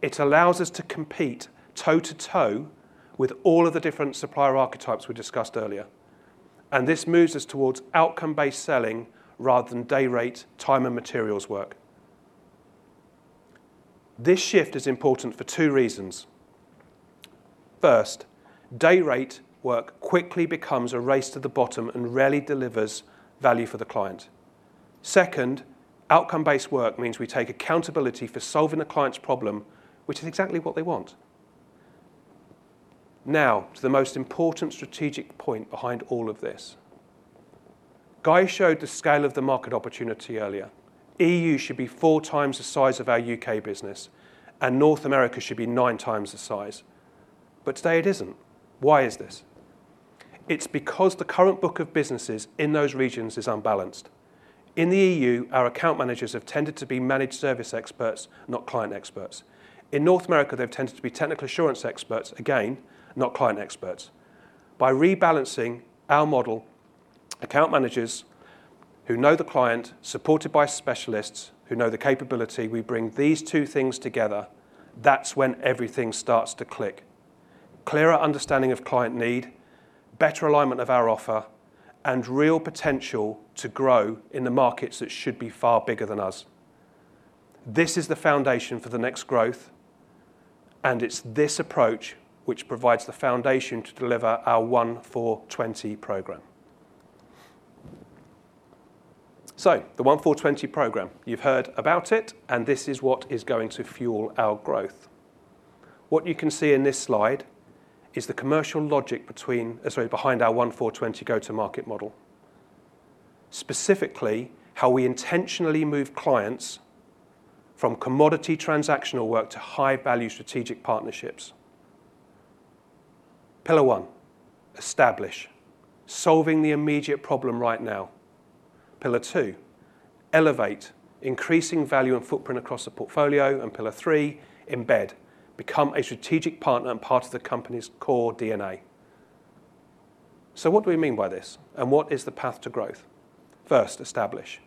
S4: It allows us to compete toe-to-toe with all of the different supplier archetypes we discussed earlier, and this moves us towards outcome-based selling rather than day rate time and materials work. This shift is important for two reasons. First, day rate work quickly becomes a race to the bottom and rarely delivers value for the client. Second, outcome-based work means we take accountability for solving a client's problem, which is exactly what they want. Now to the most important strategic point behind all of this. Guy showed the scale of the market opportunity earlier. EU should be 4x The size of our U.K. business, and North America should be 9x the size. Today it isn't. Why is this? It's because the current book of businesses in those regions is unbalanced. In the EU, our account managers have tended to be managed service experts, not client experts. In North America, they've tended to be technical assurance experts, again, not client experts. By rebalancing our model, account managers who know the client, supported by specialists who know the capability, we bring these two things together. That's when everything starts to click. Clearer understanding of client need, better alignment of our offer, and real potential to grow in the markets that should be far bigger than us. This is the foundation for the next growth, and it's this approach which provides the foundation to deliver our 1/4-20 program. The 1/4-20 program, you've heard about it and this is what is going to fuel our growth. What you can see in this slide is the commercial logic behind our 1/4-20 go-to-market model. Specifically, how we intentionally move clrients from commodity transactional work to high-value strategic partnerships. Pillar one, establish. Solving the immediate problem right now. Pillar two, elevate. Increasing value and footprint across the portfolio. Pillar three, embed. Become a strategic partner and part of the company's core DNA. What do we mean by this, and what is the path to growth? First, establish.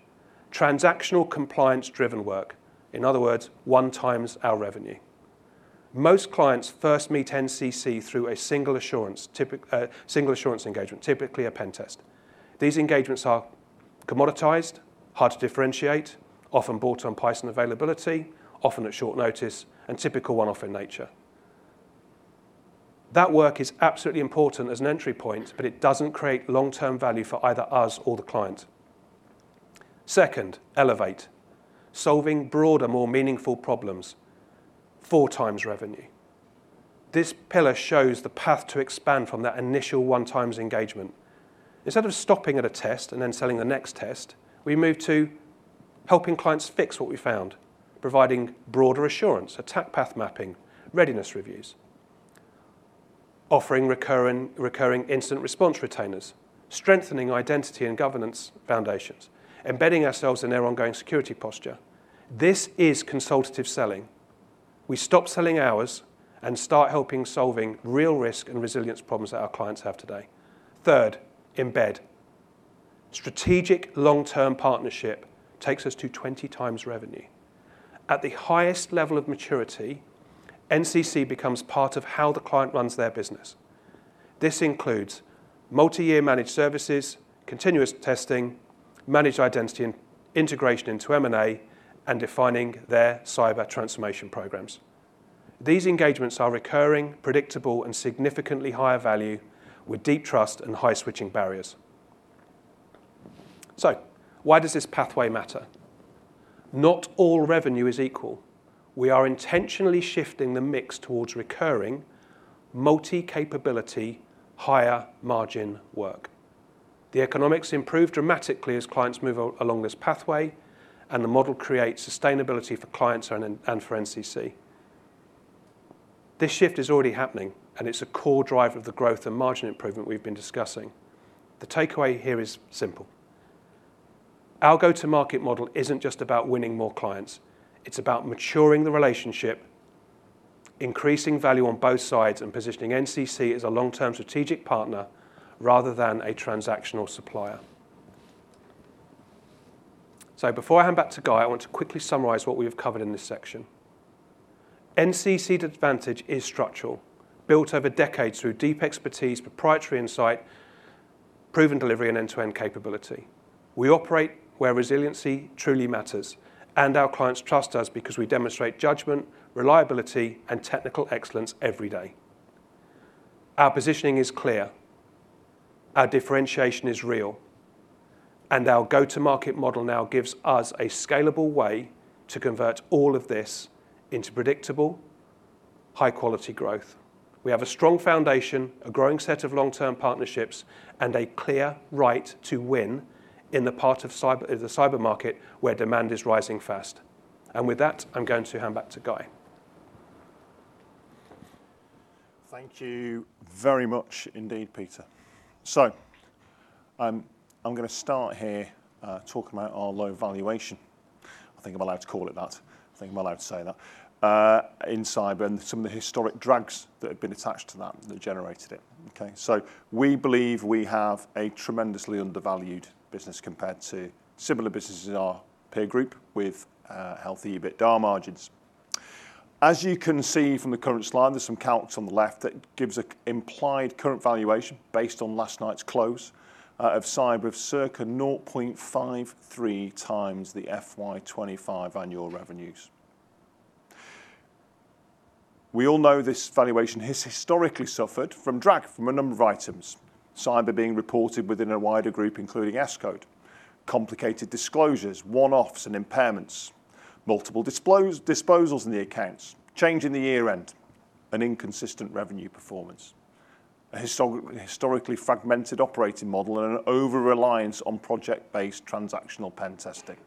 S4: Transactional compliance-driven work. In other words, 1x our revenue. Most clients first meet NCC through a single assurance engagement, typically a pen test. These engagements are commoditized, hard to differentiate, often bought on price and availability, often at short notice, and typical one-off in nature. That work is absolutely important as an entry point, but it doesn't create long-term value for either us or the client. Second, elevate. Solving broader, more meaningful problems. 4x revenue. This pillar shows the path to expand from that initial 1x engagement. Instead of stopping at a test and then selling the next test, we move to helping clients fix what we found, providing broader assurance, attack path mapping, readiness reviews, offering recurring incident response retainers, strengthening identity and governance foundations, embedding ourselves in their ongoing security posture. This is consultative selling. We stop selling hours and start helping solving real risk and resilience problems that our clients have today. Third, embed. Strategic long-term partnership takes us to 20x revenue. At the highest level of maturity, NCC becomes part of how the client runs their business. This includes multi-year managed services, continuous testing, managed identity and integration into M&A, and defining their cyber transformation programs. These engagements are recurring, predictable, and significantly higher value with deep trust and high switching barriers. Why does this pathway matter? Not all revenue is equal. We are intentionally shifting the mix towards recurring multi-capability, higher margin work. The economics improve dramatically as clients move along this pathway, and the model creates sustainability for clients and for NCC. This shift is already happening, and it's a core driver of the growth and margin improvement we've been discussing. The takeaway here is simple. Our go-to-market model isn't just about winning more clients. It's about maturing the relationship, increasing value on both sides, and positioning NCC as a long-term strategic partner rather than a transactional supplier. Before I hand back to Guy, I want to quickly summarize what we have covered in this section. NCC's advantage is structural, built over decades through deep expertise, proprietary insight, proven delivery, and end-to-end capability. We operate where resiliency truly matters, and our clients trust us because we demonstrate judgment, reliability, and technical excellence every day. Our positioning is clear, our differentiation is real, and our go-to-market model now gives us a scalable way to convert all of this into predictable, high-quality growth. We have a strong foundation, a growing set of long-term partnerships, and a clear right to win in the part of the cyber market where demand is rising fast. With that, I'm going to hand back to Guy.
S2: Thank you very much indeed, Peter. I'm gonna start here, talking about our low valuation. I think I'm allowed to call it that. I think I'm allowed to say that. In cyber and some of the historic drags that have been attached to that generated it. Okay? We believe we have a tremendously undervalued business compared to similar businesses in our peer group with healthy EBITDA margins. As you can see from the current slide, there's some charts on the left that gives an implied current valuation based on last night's close, of cyber of circa 0.53x the FY 2025 annual revenues. We all know this valuation has historically suffered from drag from a number of items. Cyber being reported within a wider group, including Escode. Complicated disclosures, one-offs and impairments. Multiple disposals in the accounts. Change in the year-end and inconsistent revenue performance. A historically fragmented operating model and an over-reliance on project-based transactional pen testing.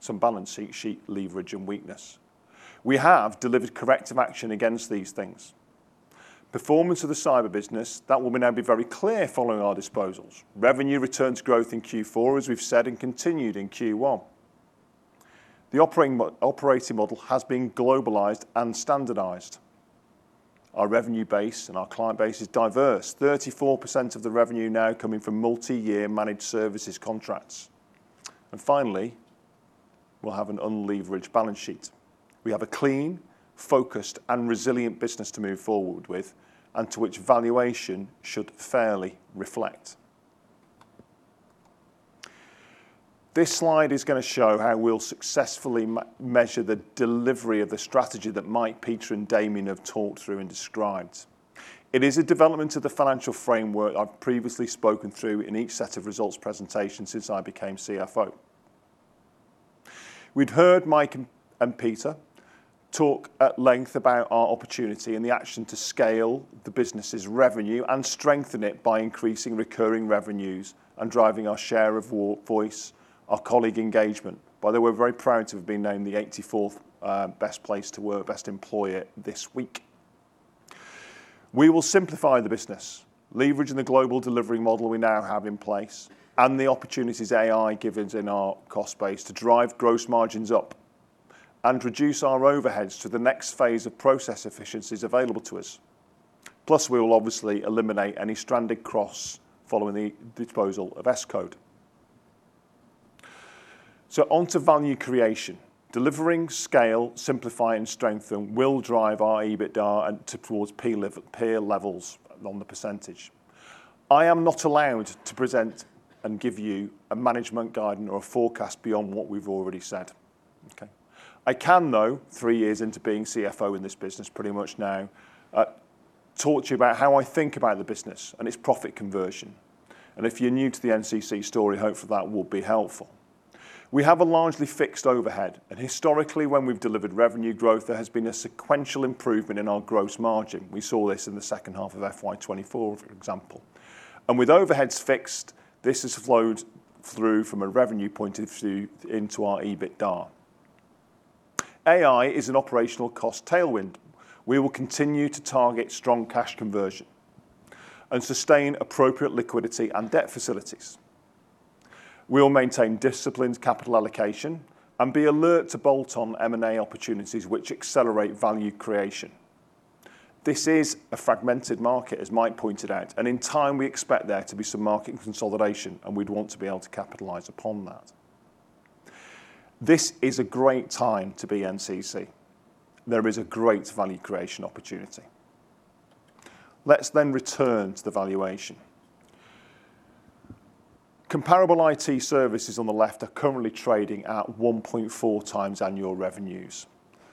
S2: Some balance sheet leverage and weakness. We have delivered corrective action against these things. Performance of the cyber business, that will now be very clear following our disposals. Revenue returns growth in Q4, as we've said and continued in Q1. The operating model has been globalized and standardized. Our revenue base and our client base is diverse. 34% of the revenue now coming from multi-year managed services contracts. Finally, we'll have an unleveraged balance sheet. We have a clean, focused and resilient business to move forward with, and to which valuation should fairly reflect. This slide is gonna show how we'll successfully measure the delivery of the strategy that Mike, Peter and Damien have talked through and described. It is a development of the financial framework I've previously spoken through in each set of results presentations since I became CFO. We'd heard Mike and Peter talk at length about our opportunity and the action to scale the business's revenue and strengthen it by increasing recurring revenues and driving our share of voice, our colleague engagement. By the way, we're very proud to have been named the 84th best place to work, best employer this week. We will simplify the business, leveraging the global delivery model we now have in place and the opportunities AI gives in our cost base to drive gross margins up and reduce our overheads to the next phase of process efficiencies available to us. Plus, we will obviously eliminate any stranded costs following the disposal of Escode. On to value creation. Delivering scale, simplify and strengthen will drive our EBITDA towards peer levels on the percentage. I am not allowed to present and give you a management guidance or a forecast beyond what we've already said. Okay? I can, though, three years into being CFO in this business pretty much now, talk to you about how I think about the business and its profit conversion. If you're new to the NCC story, hopefully that will be helpful. We have a largely fixed overhead, and historically, when we've delivered revenue growth, there has been a sequential improvement in our gross margin. We saw this in the second half of FY 2024, for example. With overheads fixed, this has flowed through from a revenue point of view into our EBITDA. AI is an operational cost tailwind. We will continue to target strong cash conversion and sustain appropriate liquidity and debt facilities. We'll maintain disciplined capital allocation and be alert to bolt-on M&A opportunities which accelerate value creation. This is a fragmented market, as Mike pointed out, and in time we expect there to be some market consolidation and we'd want to be able to capitalize upon that. This is a great time to be NCC. There is a great value creation opportunity. Let's then return to the valuation. Comparable IT services on the left are currently trading at 1.4x annual revenues.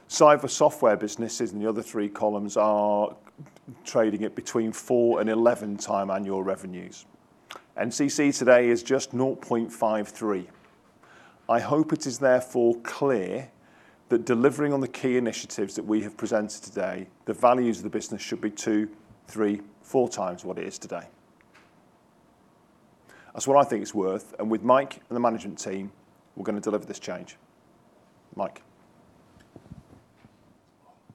S2: Cyber software businesses in the other three columns are trading at between 4x and 11x annual revenues. NCC today is just 0.53x. I hope it is therefore clear that delivering on the key initiatives that we have presented today, the values of the business should be 2x, 3x, 4x what it is today. That's what I think it's worth, and with Mike and the management team, we're gonna deliver this change. Mike.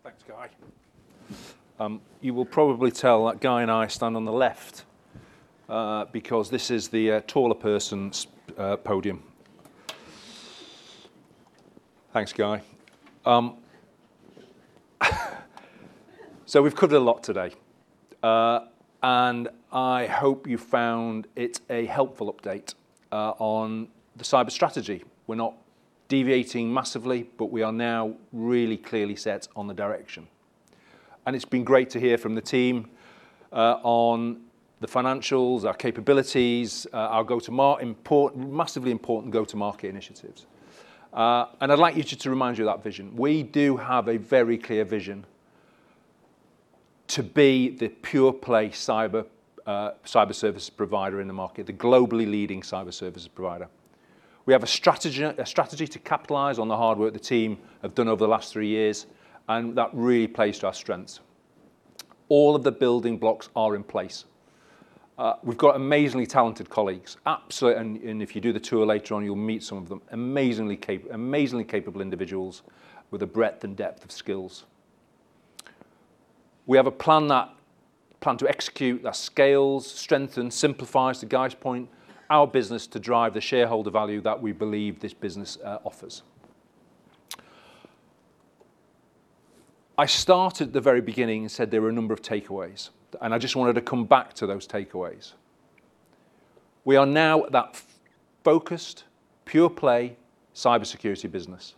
S1: Thanks, Guy. You can probably tell that Guy and I stand on the left, because this is the taller person's podium. Thanks, Guy. So we've covered a lot today, and I hope you found it a helpful update on the cyber strategy. We're not deviating massively, but we are now really clearly set on the direction. It's been great to hear from the team on the financials, our capabilities, our massively important go-to-market initiatives. I'd like to remind you of that vision. We do have a very clear vision to be the pure play cyber services provider in the market, the globally leading cyber services provider. We have a strategy to capitalize on the hard work the team have done over the last three years, and that really plays to our strengths. All of the building blocks are in place. We've got amazingly talented colleagues. Absolutely, and if you do the tour later on, you'll meet some of them. Amazingly capable individuals with a breadth and depth of skills. We have a plan to execute that scales, strengthen, simplifies, to Guy's point, our business to drive the shareholder value that we believe this business offers. I started at the very beginning and said there were a number of takeaways, and I just wanted to come back to those takeaways. We are now that focused, pure play cybersecurity business.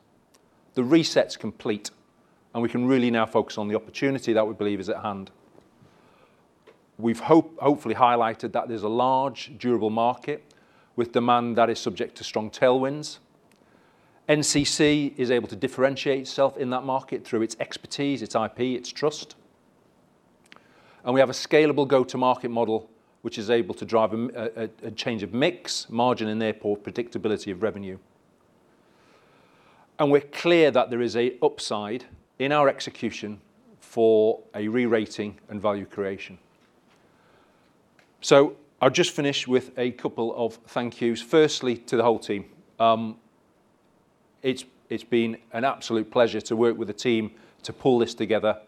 S1: The reset's complete, and we can really now focus on the opportunity that we believe is at hand. We've hopefully highlighted that there's a large, durable market with demand that is subject to strong tailwinds. NCC is able to differentiate itself in that market through its expertise, its IP, its trust. We have a scalable go-to-market model which is able to drive a change of mix, margin and therefore predictability of revenue. We're clear that there is upside in our execution for a re-rating and value creation. I'll just finish with a couple of thank yous. Firstly, to the whole team. It's been an absolute pleasure to work with the team to pull this together.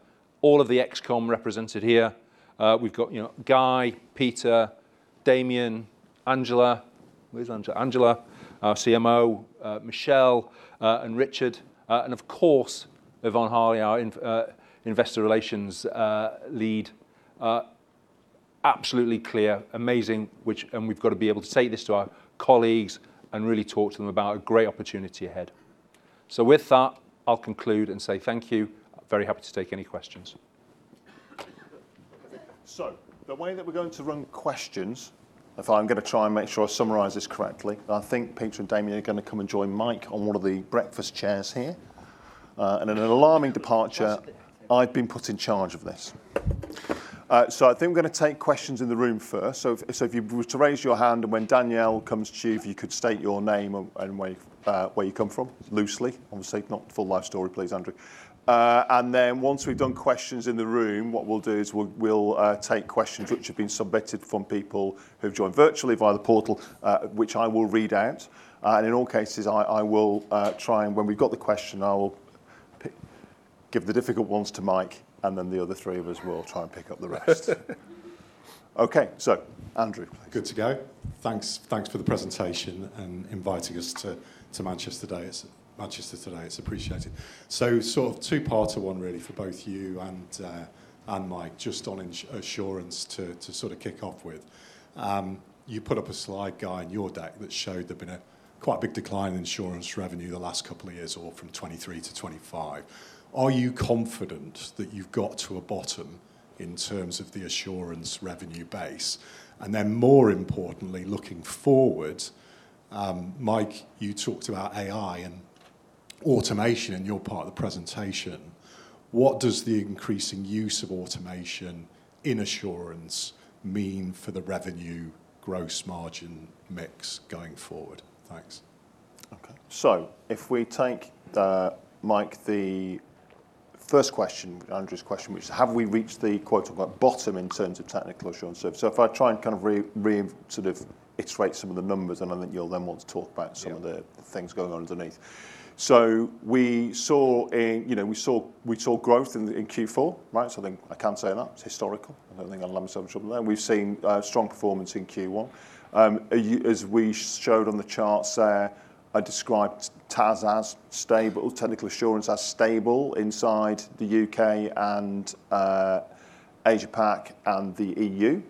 S1: All of the ExCo represented here. We've got, you know, Guy, Peter, Damien, Angela. Where's Angela? Angela, our CMO, Michelle, and Richard, and of course, Yvonne Harley, our investor relations lead. Absolutely clear, amazing. We've got to be able to say this to our colleagues and really talk to them about a great opportunity ahead. With that, I'll conclude and say thank you. Very happy to take any questions.
S2: The way that we're going to run questions, if I'm gonna try and make sure I summarize this correctly. I think Peter and Damien are gonna come and join Mike on one of the breakfast chairs here. In an alarming departure, I've been put in charge of this. I think we're gonna take questions in the room first. If you were to raise your hand, and when Danielle comes to you if you could state your name and where you come from, loosely, obviously. Not full life story please, Andrew. Then once we've done questions in the room, what we'll do is we'll take questions which have been submitted from people who've joined virtually via the portal, which I will read out. In all cases I will try and when we've got the question, I will give the difficult ones to Mike, and then the other three of us will try and pick up the rest. Okay. Andrew.
S5: Good to go. Thanks for the presentation and inviting us to Manchester today. It's appreciated. Sort of two part to one really for both you and Mike. Just on assurance to sort of kick off with. You put up a slide, Guy, in your deck that showed there'd been a quite big decline in assurance revenue the last couple of years or from 2023 to 2025. Are you confident that you've got to a bottom in terms of the assurance revenue base? Then more importantly, looking forward, Mike, you talked about AI and automation in your part of the presentation. What does the increasing use of automation in assurance mean for the revenue gross margin mix going forward? Thanks.
S1: Okay.
S2: If we take Mike, the first question, Andrew's question, which is have we reached the quote-unquote bottom in terms of technical assurance service? If I try and kind of sort of iterate some of the numbers, and I think you'll then want to talk about some of the things going on underneath. We saw growth in Q4, right? I think I can say that. It's historical. I don't think I'll land myself in trouble there. We've seen strong performance in Q1. As we showed on the charts there, I described TAS as stable, technical assurance as stable inside the U.K. And Asia Pac and the EU.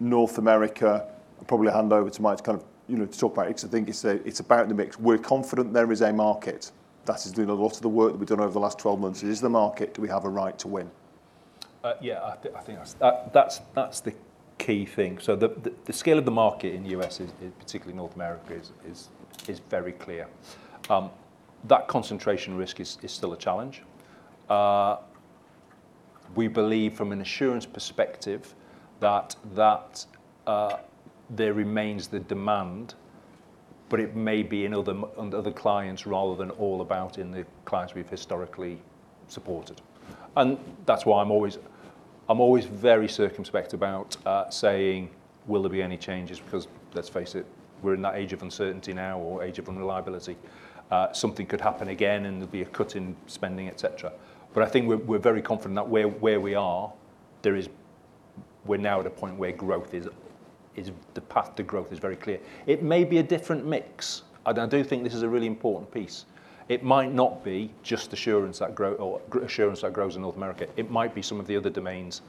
S2: North America, I'll probably hand over to Mike to kind of, you know, to talk about it because I think it's about in the mix. We're confident there is a market. That is doing a lot of the work that we've done over the last 12 months. It is the market. Do we have a right to win?
S1: Yeah. I think that's the key thing. The scale of the market in the U.S. is very clear. That concentration risk is still a challenge. We believe from an assurance perspective that there remains the demand, but it may be in other clients rather than all about the clients we've historically supported. That's why I'm always very circumspect about saying, will there be any changes? Because let's face it, we're in that age of uncertainty now or age of unreliability. Something could happen again and there'll be a cut in spending, etcetera. I think we're very confident that where we are we're now at a point where growth is the path to growth is very clear. It may be a different mix. I do think this is a really important piece. It might not be just assurance that grows in North America. It might be some of the other domains.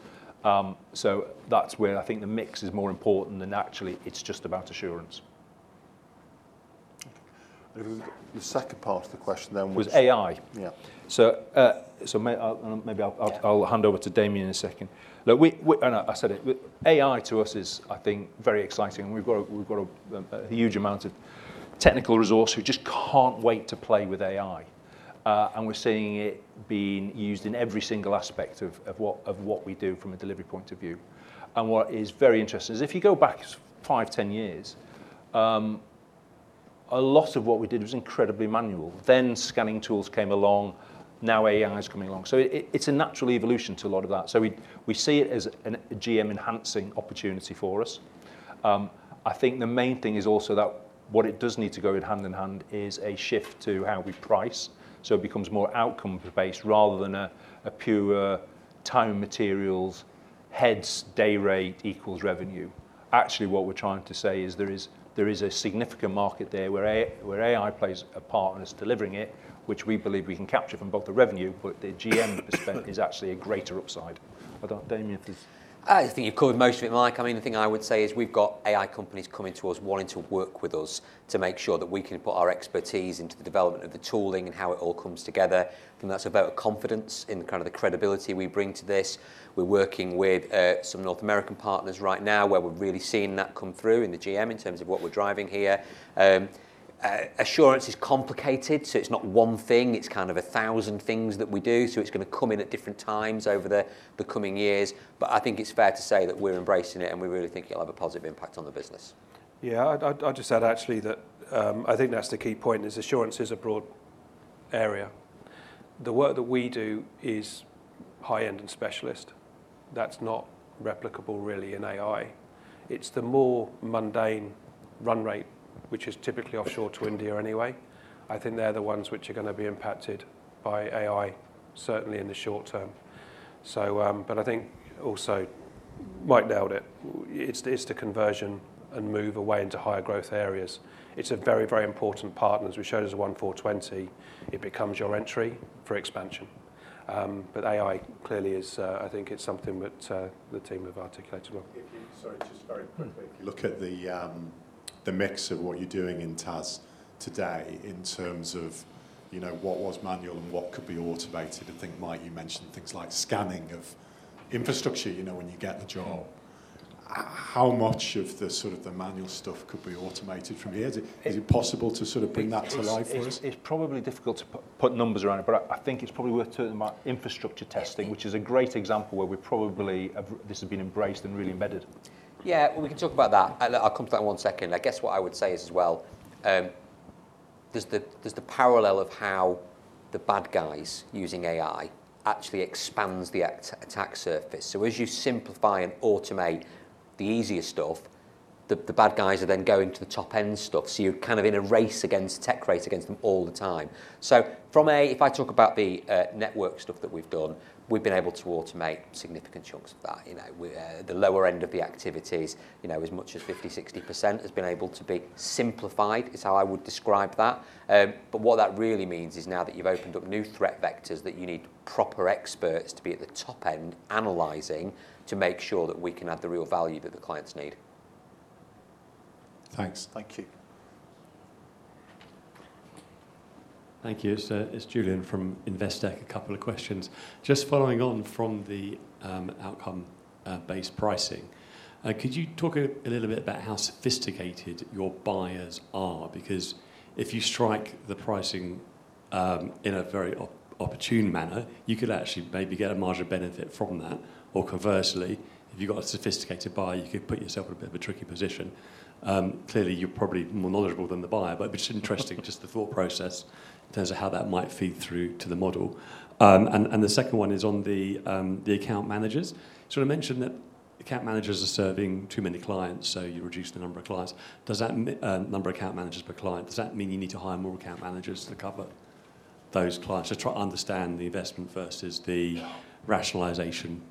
S1: That's where I think the mix is more important than actually it's just about assurance.
S2: Okay. The second part of the question then was.
S1: Was AI.
S2: Yeah.
S1: Maybe I'll hand over to Damien in a second. Look, I said it. AI to us is, I think, very exciting. We've got a huge amount of technical resource. We just can't wait to play with AI. We're seeing it being used in every single aspect of what we do from a delivery point of view. What is very interesting is if you go back five, 10 years, a lot of what we did was incredibly manual. Then scanning tools came along, now AI is coming along. It's a natural evolution to a lot of that. We see it as an AI enhancing opportunity for us. I think the main thing is also that what it does need to go hand in hand is a shift to how we price. It becomes more outcome based rather than a pure time and materials, heads, day rate equals revenue. Actually, what we're trying to say is there is a significant market there where AI plays a part and is delivering it, which we believe we can capture from both the revenue, but the GM% is actually a greater upside. Damien, please.
S3: I think you've covered most of it, Mike. I mean, the thing I would say is we've got AI companies coming to us wanting to work with us to make sure that we can put our expertise into the development of the tooling and how it all comes together. And that's about confidence in kind of the credibility we bring to this. We're working with some North American partners right now where we're really seeing that come through in the GM% in terms of what we're driving here. Assurance is complicated, so it's not one thing, it's kind of a thousand things that we do, so it's gonna come in at different times over the coming years. I think it's fair to say that we're embracing it, and we really think it'll have a positive impact on the business.
S4: Yeah. I'd just add actually that I think that's the key point is assurance is a broad area. The work that we do is high-end and specialist. That's not replicable really in AI. It's the more mundane run rate, which is typically offshore to India anyway, I think they're the ones which are gonna be impacted by AI certainly in the short term. I think also Mike nailed it. It's the conversion and move away into higher growth areas. It's a very, very important part, and as we showed as 1/4-20, it becomes your entry for expansion. AI clearly is, I think it's something that the team have articulated well.
S5: Sorry, just very quickly. If you look at the mix of what you're doing in TAS today in terms of, you know, what was manual and what could be automated, I think, Mike, you mentioned things like scanning of infrastructure, you know, when you get the job. How much of the sort of the manual stuff could be automated from here? Is it possible to sort of bring that to life for us?
S4: It's probably difficult to put numbers around it, but I think it's probably worth talking about infrastructure testing, which is a great example where we probably have this has been embraced and really embedded.
S3: Yeah. Well, we can talk about that. I'll come to that in one second. I guess what I would say is as well, there's the parallel of how the bad guys using AI actually expands the attack surface. As you simplify and automate the easier stuff, the bad guys are then going to the top-end stuff, so you're kind of in a tech race against them all the time. From a if I talk about the network stuff that we've done, we've been able to automate significant chunks of that, you know. We the lower end of the activities, you know, as much as 50%-60% has been able to be simplified, is how I would describe that. What that really means is now that you've opened up new threat vectors, that you need proper experts to be at the top end analyzing to make sure that we can add the real value that the clients need.
S5: Thanks.
S4: Thank you.
S6: Thank you. It's Julian from Investec. A couple of questions. Just following on from the outcome-based pricing, could you talk a little bit about how sophisticated your buyers are? Because if you strike the pricing in a very opportune manner, you could actually maybe get a marginal benefit from that. Or conversely, if you've got a sophisticated buyer, you could put yourself in a bit of a tricky position. Clearly, you're probably more knowledgeable than the buyer, but it'd be interesting just the thought process in terms of how that might feed through to the model. And the second one is on the account managers. Sort of mentioned that account managers are serving too many clients, so you reduce the number of clients. Does that number of account managers per client, does that mean you need to hire more account managers to cover those clients? Just trying to understand the investment versus the rationalization,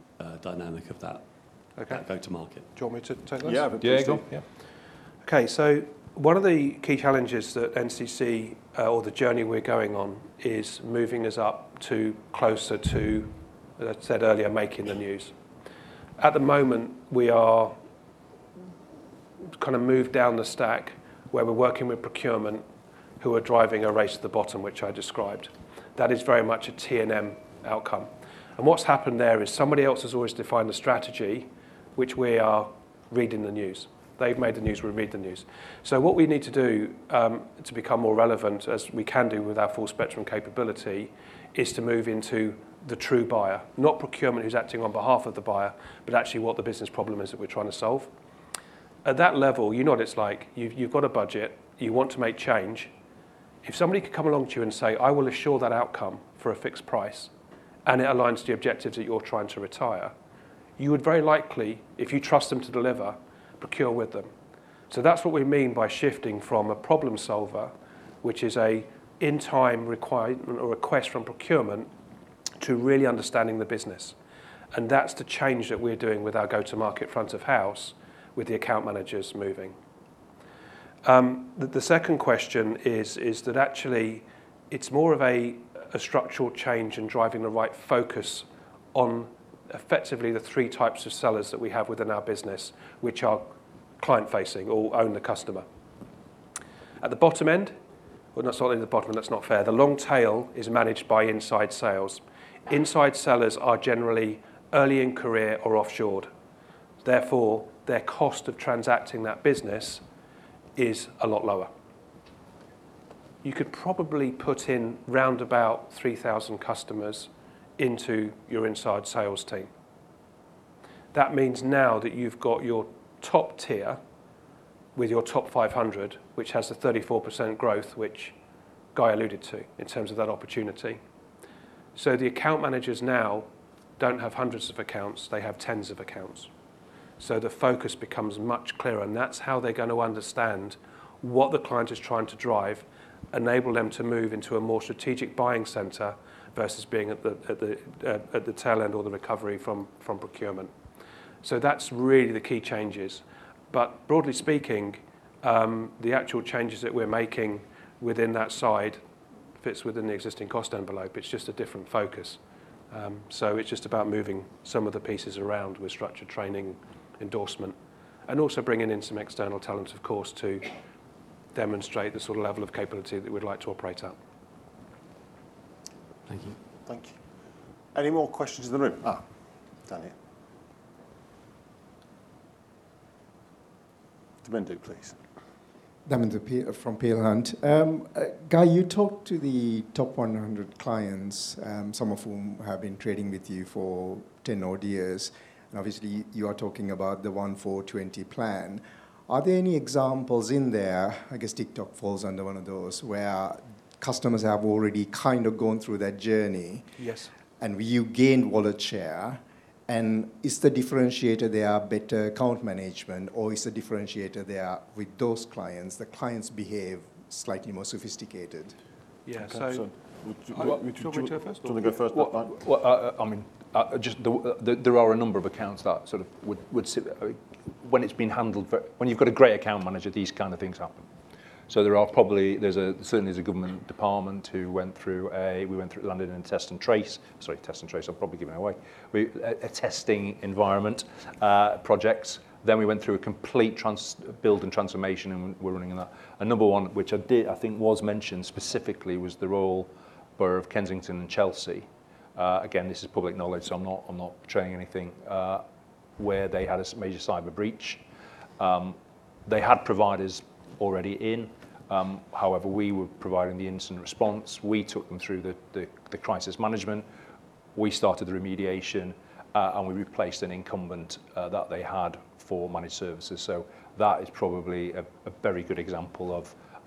S6: dynamic of that.
S4: Okay.
S6: Go to market.
S4: Do you want me to take this?
S1: Yeah. Please do.
S3: Yeah, yeah.
S4: Okay. One of the key challenges that NCC or the journey we're going on is moving us up to closer to, as I said earlier, making the news. At the moment, we are kind of moved down the stack where we're working with procurement who are driving a race to the bottom, which I described. That is very much a T&M outcome. What's happened there is somebody else has always defined the strategy, which we are reading the news. They've made the news, we read the news. What we need to do to become more relevant, as we can do with our full spectrum capability, is to move into the true buyer. Not procurement who's acting on behalf of the buyer, but actually what the business problem is that we're trying to solve. At that level, you know what it's like. You've got a budget, you want to make change. If somebody could come along to you and say, "I will assure that outcome for a fixed price," and it aligns to the objectives that you're trying to retire, you would very likely, if you trust them to deliver, procure with them. So that's what we mean by shifting from a problem solver, which is a request from procurement, to really understanding the business, and that's the change that we're doing with our go-to-market front of house with the account managers moving. The second question is that actually it's more of a structural change in driving the right focus on effectively the three types of sellers that we have within our business, which are client-facing or own the customer. Well, no, it's not really the bottom end. That's not fair. The long tail is managed by inside sales. Inside sellers are generally early in career or offshored, therefore, their cost of transacting that business is a lot lower. You could probably put around 3,000 customers into your inside sales team. That means now that you've got your top tier with your top 500, which has the 34% growth, which Guy alluded to in terms of that opportunity. The account managers now don't have hundreds of accounts, they have tens of accounts, so the focus becomes much clearer. That's how they're gonna understand what the client is trying to drive, enable them to move into a more strategic buying center versus being at the tail end or the recovery from procurement. That's really the key changes. Broadly speaking, the actual changes that we're making within that side fits within the existing cost envelope. It's just a different focus. It's just about moving some of the pieces around with structured training endorsement and also bringing in some external talent, of course, to demonstrate the sort of level of capability that we'd like to operate at.
S6: Thank you.
S4: Thank you. Any more questions in the room? Damien.
S3: Damindu, please.
S7: Damindu Jayaweera from Peel Hunt. Guy, you talked to the top 100 clients, some of whom have been trading with you for 10-odd years, and obviously you are talking about the 1/4-20 strategy. Are there any examples in there, I guess TikTok falls under one of those, where customers have already kind of gone through that journey?
S4: Yes
S7: you gained wallet share? Is the differentiator they are better account management, or is the differentiator they are with those clients, the clients behave slightly more sophisticated?
S4: Yeah.
S1: Okay, do you want me to go first?
S4: Do you want me to go first, Mike?
S1: Well, I mean, there are a number of accounts that sort of would sit. I mean, when you've got a great account manager, these kind of things happen. There's certainly a government department who we went through lockdown in Test and Trace. Sorry, Test and Trace, I've probably given it away. We a testing environment project. We went through a complete build and transformation, and we're running another. A number one, which I think was mentioned specifically, was the Royal Borough of Kensington and Chelsea. Again, this is public knowledge, so I'm not betraying anything. Where they had a major cyber breach. They had providers already in, however we were providing the incident response. We took them through the crisis management. We started the remediation, and we replaced an incumbent that they had for Managed Services. That is probably a very good example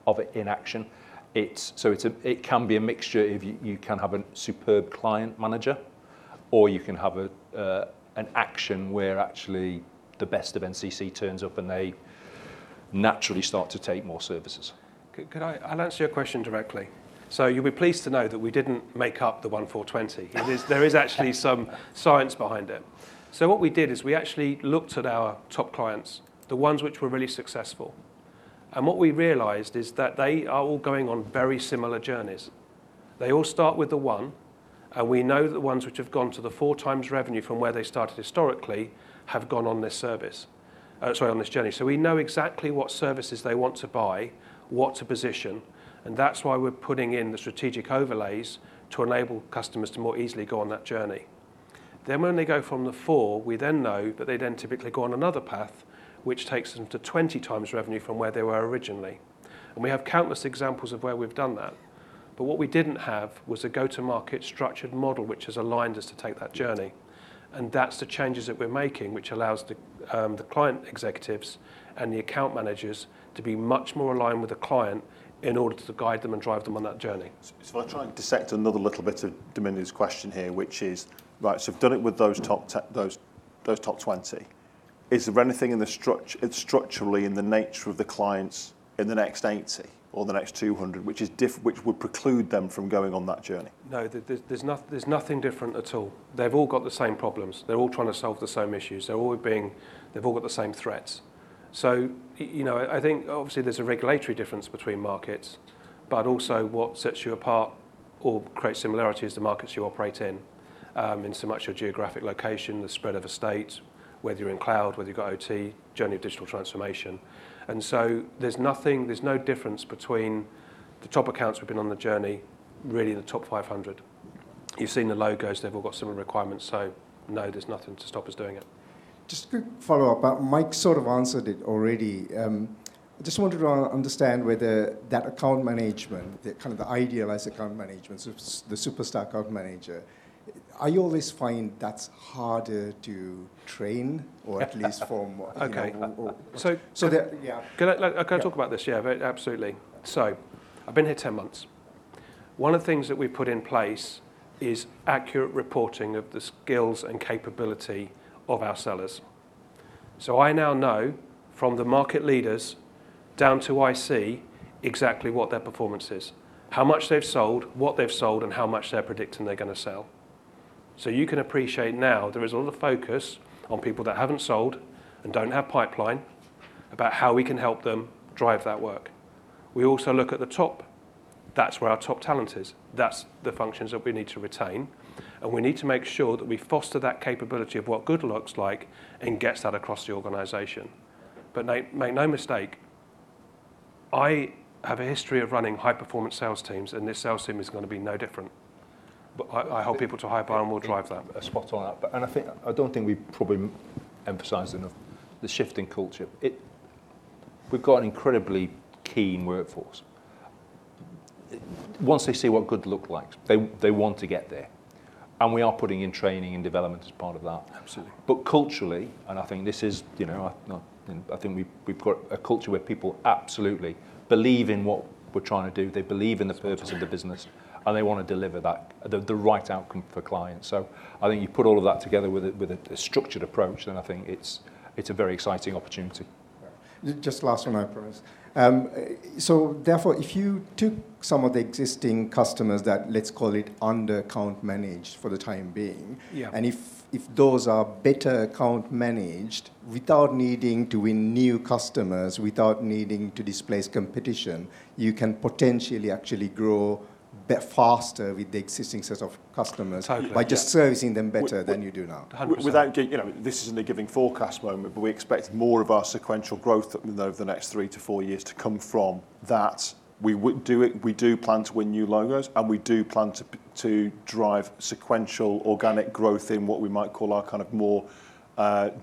S1: of it in action. It can be a mixture if you can have a superb client manager, or you can have an action where actually the best of NCC turns up, and they naturally start to take more services.
S4: Could I? I'll answer your question directly. You'll be pleased to know that we didn't make up the 1/4-20. There is actually some science behind it. What we did is we actually looked at our top clients, the ones which were really successful, and what we realized is that they are all going on very similar journeys. They all start with the one, and we know the ones which have gone to the 4x revenue from where they started historically have gone on this journey. We know exactly what services they want to buy, what to position, and that's why we're putting in the strategic overlays to enable customers to more easily go on that journey. When they go from the four, we then know that they then typically go on another path, which takes them to 20x revenue from where they were originally, and we have countless examples of where we've done that. What we didn't have was a go-to-market structured model which has aligned us to take that journey, and that's the changes that we're making, which allows the client executives and the account managers to be much more aligned with the client in order to guide them and drive them on that journey.
S1: If I try and dissect another little bit of Damindu's question here, which is, right, so we've done it with those top 20. Is there anything structurally in the nature of the clients in the next 80 or the next 200 which would preclude them from going on that journey?
S4: No, there's nothing different at all. They've all got the same problems. They're all trying to solve the same issues. They've all got the same threats. You know, I think obviously there's a regulatory difference between markets, but also what sets you apart or creates similarity is the markets you operate in. In so much your geographic location, the spread of estate, whether you're in cloud, whether you've got OT, journey of digital transformation. There's nothing, there's no difference between the top accounts who've been on the journey, really the top 500. You've seen the logos. They've all got similar requirements. No, there's nothing to stop us doing it.
S7: Just a quick follow-up. Mike sort of answered it already. I just wanted to understand whether that account management, the kind of the idealized account management, so it's the superstar account manager. Are you always find that's harder to train or at least form or.
S4: Okay.
S7: Yeah.
S4: Can I talk about this? Yeah, absolutely. I've been here 10 months. One of the things that we've put in place is accurate reporting of the skills and capability of our sellers. I now know from the market leaders down to IC exactly what their performance is. How much they've sold, what they've sold, and how much they're predicting they're gonna sell. You can appreciate now there is a lot of focus on people that haven't sold and don't have pipeline about how we can help them drive that work. We also look at the top. That's where our top talent is. That's the functions that we need to retain, and we need to make sure that we foster that capability of what good looks like and gets that across the organization. Make no mistake, I have a history of running high-performance sales teams, and this sales team is gonna be no different. I hold people to a high bar, and we'll drive that.
S1: Spot on. I think, I don't think we've probably emphasized enough the shift in culture. We've got an incredibly keen workforce. Once they see what good look like, they want to get there, and we are putting in training and development as part of that.
S4: Absolutely.
S1: Culturally, and I think this is, you know, I think we've got a culture where people absolutely believe in what we're trying to do. They believe in the purpose of the business, and they wanna deliver that, the right outcome for clients. I think you put all of that together with a structured approach, then I think it's a very exciting opportunity.
S7: Just last one I promise. Therefore, if you took some of the existing customers that let's call it under contract managed for the time being.
S4: Yeah
S7: If those are better account managed without needing to win new customers, without needing to displace competition, you can potentially actually grow a bit faster with the existing set of customers.
S4: Totally, yeah.
S7: by just servicing them better than you do now.
S4: 100%.
S1: You know, this isn't a giving forecast moment, but we expect more of our sequential growth over the next three to four years to come from that. We do plan to win new logos, and we do plan to drive sequential organic growth in what we might call our kind of more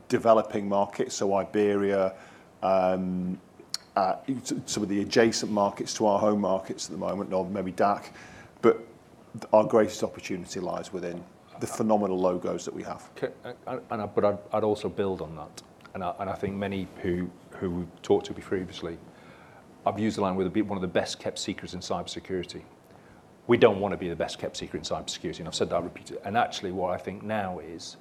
S1: developing markets. Iberia.
S4: Some of the adjacent markets to our home markets at the moment, or maybe DACH, but our greatest opportunity lies within the phenomenal logos that we have.
S1: I'd also build on that. I think many who talked to me previously, I've used the line we're one of the best-kept secrets in cybersecurity. We don't wanna be the best-kept secret in cybersecurity, and I've said that repeatedly. Actually, what I think now is,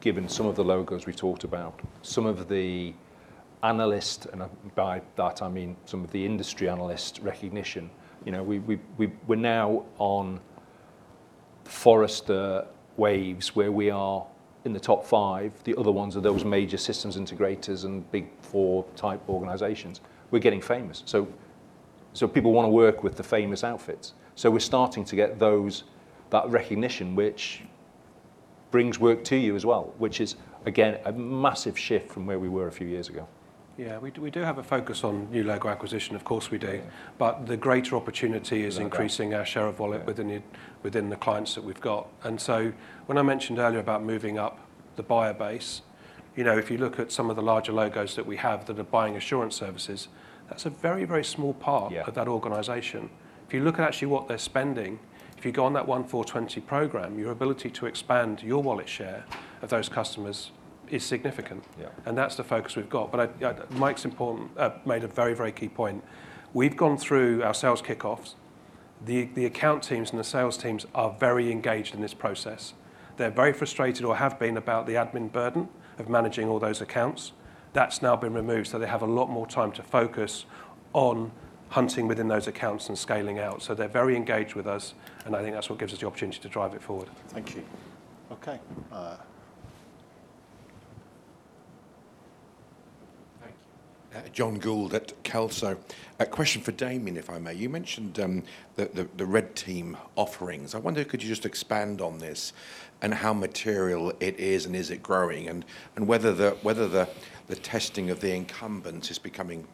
S1: given some of the logos we talked about, some of the analysts, and by that I mean some of the industry analyst recognition. You know, we're now on Forrester Wave, where we are in the top five. The other ones are those major systems integrators and Big Four type organizations. We're getting famous, so people wanna work with the famous outfits. We're starting to get those, that recognition, which brings work to you as well, which is, again, a massive shift from where we were a few years ago.
S4: Yeah. We do have a focus on new logo acquisition, of course we do.
S2: Yeah.
S4: The greater opportunity is.
S2: No doubt.
S4: Increasing our share of wallet within the clients that we've got. When I mentioned earlier about moving up the buyer base, you know, if you look at some of the larger logos that we have that are buying assurance services, that's a very, very small part.
S2: Yeah.
S4: of that organization. If you look at actually what they're spending, if you go on that 1/4-20 strategy, your ability to expand your wallet share of those customers is significant.
S2: Yeah.
S4: That's the focus we've got. Mike importantly made a very, very key point. We've gone through our sales kickoffs. The account teams and the sales teams are very engaged in this process. They're very frustrated or have been about the admin burden of managing all those accounts. That's now been removed, so they have a lot more time to focus on hunting within those accounts and scaling out. They're very engaged with us, and I think that's what gives us the opportunity to drive it forward.
S2: Thank you. Okay.
S8: Thank you. John Gould at Kelso. A question for Damien, if I may. You mentioned the Red Team offerings. I wonder, could you just expand on this and how material it is, and is it growing, and whether the testing of the incumbent is becoming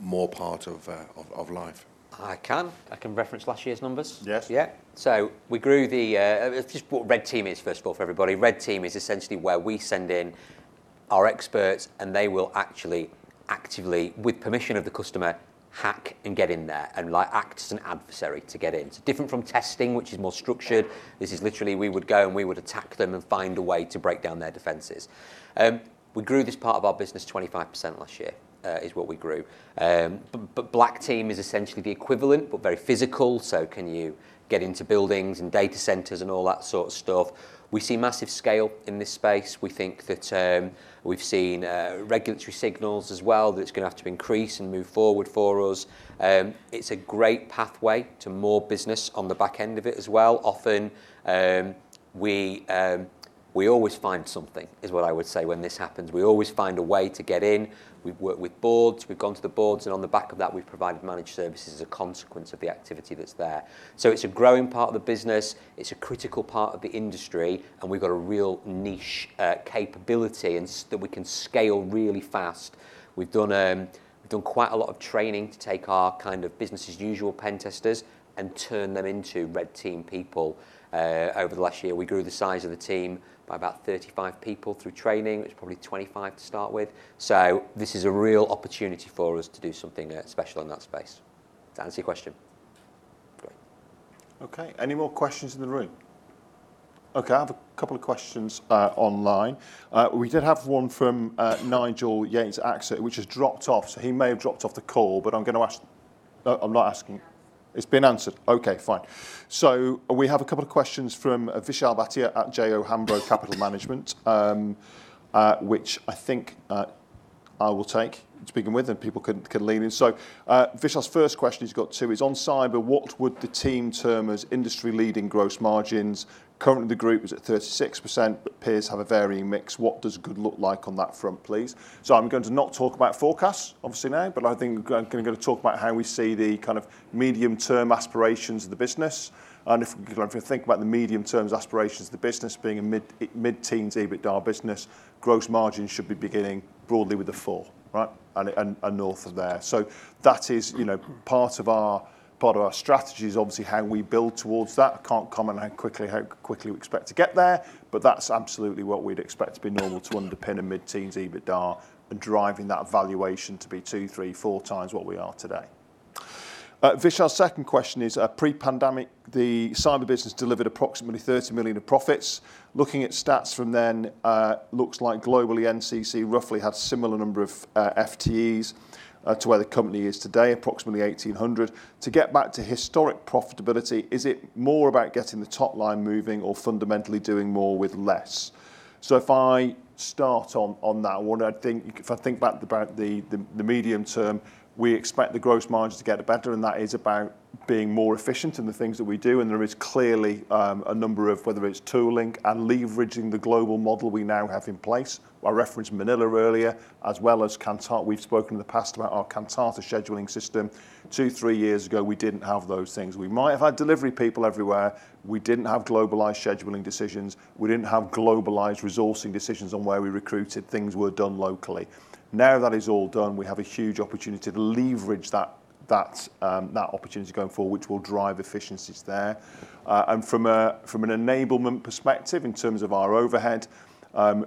S8: more part of life.
S3: I can. I can reference last year's numbers.
S8: Yes.
S3: Just what Red Team is, first of all, for everybody. Red Team is essentially where we send in our experts, and they will actually actively, with permission of the customer, hack and get in there and, like, act as an adversary to get in. It's different from testing, which is more structured. This is literally we would go and we would attack them and find a way to break down their defenses. We grew this part of our business 25% last year, is what we grew. Black Team is essentially the equivalent, but very physical. Can you get into buildings and data centers and all that sort of stuff? We see massive scale in this space. We think that, we've seen, regulatory signals as well that it's gonna have to increase and move forward for us. It's a great pathway to more business on the back end of it as well. Often, we always find something, is what I would say, when this happens. We always find a way to get in. We've worked with boards, we've gone to the boards, and on the back of that, we've provided managed services as a consequence of the activity that's there. It's a growing part of the business. It's a critical part of the industry, and we've got a real niche capability and that we can scale really fast. We've done quite a lot of training to take our kind of business as usual pen testers and turn them into Red Team people. Over the last year, we grew the size of the team by about 35 people through training. It was probably 25 to start with. This is a real opportunity for us to do something, special in that space. Does that answer your question?
S8: Great.
S2: Okay. Any more questions in the room? Okay, I have a couple of questions online. We did have one from Nigel Yates, AXA, which has dropped off, so he may have dropped off the call, but I'm not asking. It's been answered. It's been answered. Okay, fine. We have a couple of questions from Vishal Bhatia at J O Hambro Capital Management, which I think I will take speaking with and people can lean in. Vishal's first question he's got two, is on cyber, what would the team term as industry-leading gross margins? Currently, the group is at 36%, but peers have a varying mix. What does good look like on that front, please? I'm going to not talk about forecasts obviously now, but I think I'm gonna talk about how we see the kind of medium-term aspirations of the business. If we think about the medium-term aspirations of the business being a mid-teens EBITDA business, gross margins should be beginning broadly with the 40, right? And north of there. That is, you know, part of our strategy is obviously how we build towards that. I can't comment on how quickly we expect to get there, but that's absolutely what we'd expect to be normal to underpin a mid-teens EBITDA and driving that valuation to be 2x, 3x, 4x what we are today. Vishal's second question is, pre-pandemic, the cyber business delivered approximately 30 million of profits. Looking at stats from then, looks like globally NCC roughly had similar number of FTEs to where the company is today, approximately 1,800. To get back to historic profitability, is it more about getting the top line moving or fundamentally doing more with less? If I start on that one, I think if I think back about the medium term, we expect the gross margins to get better, and that is about being more efficient in the things that we do, and there is clearly a number of whether it's tooling and leveraging the global model we now have in place. I referenced Manila earlier, as well as Cainta. We've spoken in the past about our Cainta scheduling system. Two, three years ago, we didn't have those things. We might have had delivery people everywhere. We didn't have globalized scheduling decisions. We didn't have globalized resourcing decisions on where we recruited. Things were done locally. Now that is all done, we have a huge opportunity to leverage that. That opportunity going forward which will drive efficiencies there. From an enablement perspective in terms of our overhead,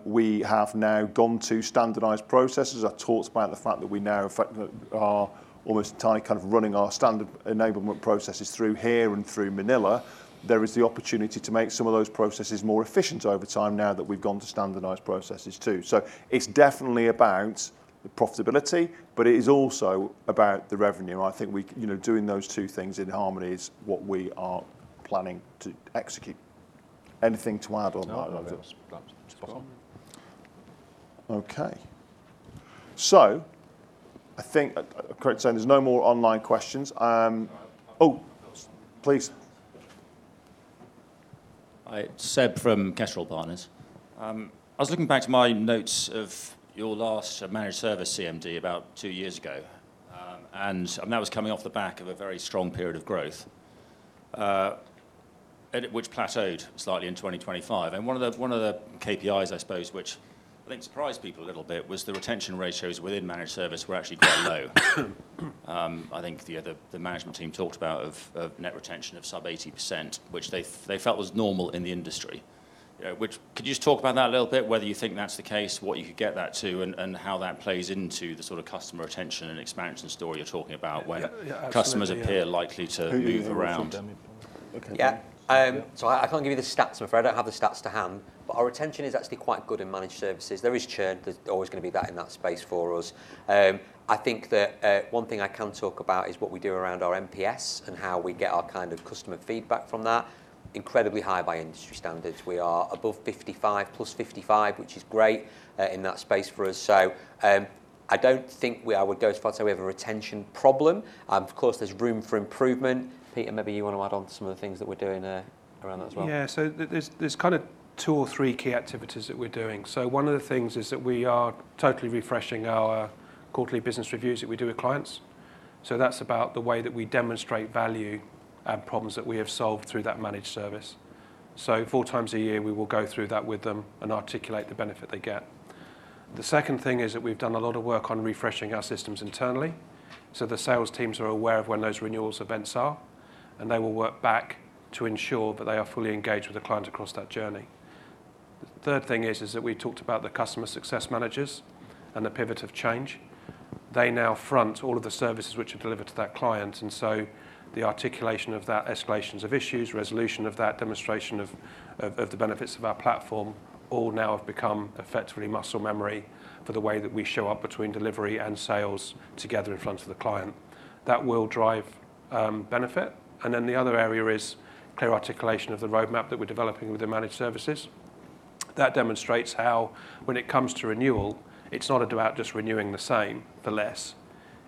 S2: we have now gone to standardized processes. I talked about the fact that we now in fact are almost entirely kind of running our standard enablement processes through here and through Manila. There is the opportunity to make some of those processes more efficient over time now that we've gone to standardized processes too. It's definitely about profitability, but it is also about the revenue. I think, you know, doing those two things in harmony is what we are planning to execute. Anything to add on that?
S3: No. That's spot on.
S2: Okay. I think correct saying there's no more online questions?
S3: No.
S2: Oh, please.
S9: Hi. Seb from Kestrel Partners. I was looking back to my notes of your last Managed Services CMD about two years ago. That was coming off the back of a very strong period of growth, which plateaued slightly in 2025. One of the KPIs I suppose which I think surprised people a little bit was the retention ratios within Managed Services were actually quite low. I think the management team talked about net retention of sub 80%, which they felt was normal in the industry. You know, could you just talk about that a little bit, whether you think that's the case, what you could get that to, and how that plays into the sort of customer retention and expansion story you're talking about when-
S2: Yeah. Yeah, absolutely, yeah.
S9: Customers appear likely to move around?
S2: Who, yeah, you want to take that?
S3: Damian.
S2: Okay.
S3: Yeah. I can't give you the stats, I'm afraid. I don't have the stats to hand. Our retention is actually quite good in managed services. There is churn. There's always gonna be that in that space for us. I think that one thing I can talk about is what we do around our NPS and how we get our kind of customer feedback from that. Incredibly high by industry standards. We are above 55, +55, which is great in that space for us. I don't think I would go as far to say we have a retention problem. Of course there's room for improvement. Peter, maybe you wanna add on some of the things that we're doing around that as well.
S4: There's kind of two or three key activities that we're doing. One of the things is that we are totally refreshing our quarterly business reviews that we do with clients. That's about the way that we demonstrate value, problems that we have solved through that managed service. 4x a year we will go through that with them and articulate the benefit they get. The second thing is that we've done a lot of work on refreshing our systems internally, so the sales teams are aware of when those renewals events are, and they will work back to ensure that they are fully engaged with the client across that journey. The third thing is that we talked about the customer success managers and the pivot of change. They now front all of the services which are delivered to that client, and so the articulation of that, escalations of issues, resolution of that, demonstration of the benefits of our platform all now have become effectively muscle memory for the way that we show up between delivery and sales together in front of the client. That will drive benefit. The other area is clear articulation of the roadmap that we're developing with the Managed Services. That demonstrates how when it comes to renewal, it's not about just renewing the same for less.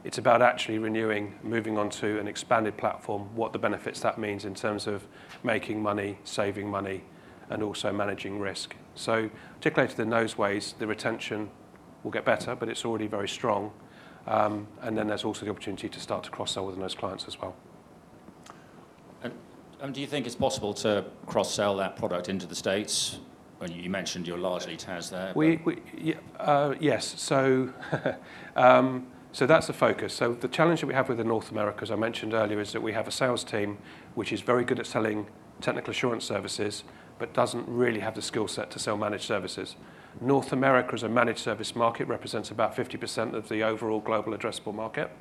S4: It's about actually renewing, moving on to an expanded platform, what the benefits that means in terms of making money, saving money, and also managing risk. Particularly in those ways, the retention will get better, but it's already very strong. There's also the opportunity to start to cross-sell with those clients as well.
S9: Do you think it's possible to cross-sell that product into the States when you mentioned your large eight has there?
S4: That's the focus. The challenge that we have with North America, as I mentioned earlier, is that we have a sales team which is very good at selling Technical Assurance services but doesn't really have the skill set to sell Managed Services. North America as a Managed Services market represents about 50% of the overall global addressable market.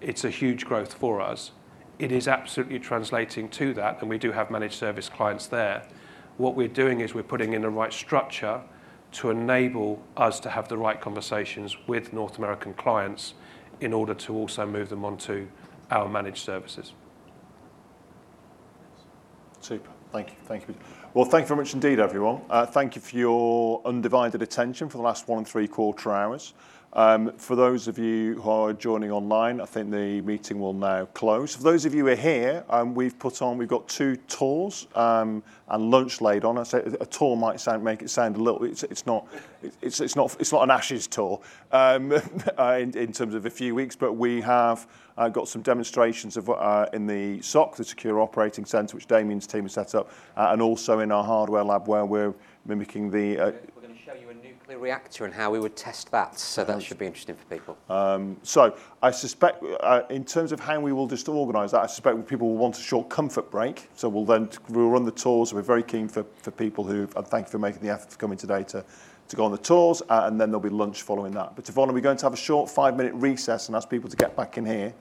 S4: It's a huge growth for us. It is absolutely translating to that, and we do have Managed Services clients there. What we're doing is we're putting in the right structure to enable us to have the right conversations with North American clients in order to also move them onto our Managed Services.
S1: Super. Thank you. Thank you, Peter. Well, thank you very much indeed, everyone. Thank you for your undivided attention for the last one and three quarter hours. For those of you who are joining online, I think the meeting will now close. For those of you who are here, we've got two tours and lunch laid on. A tour might sound a little. It's not an Ashes tour in terms of a few weeks, but we have got some demonstrations in the SOC, the Security Operations Center, which Damian's team has set up, and also in our hardware lab where we're mimicking the.
S3: We're gonna show you a nuclear reactor and how we would test that.
S1: Yes
S3: Should be interesting for people.
S1: I suspect in terms of how we will just organize that, I suspect people will want a short comfort break, so we'll run the tours. We're very keen for people. Thank you for making the effort for coming today to go on the tours, and then there'll be lunch following that. Yvonne, are we going to have a short five-minute recess and ask people to get back in here?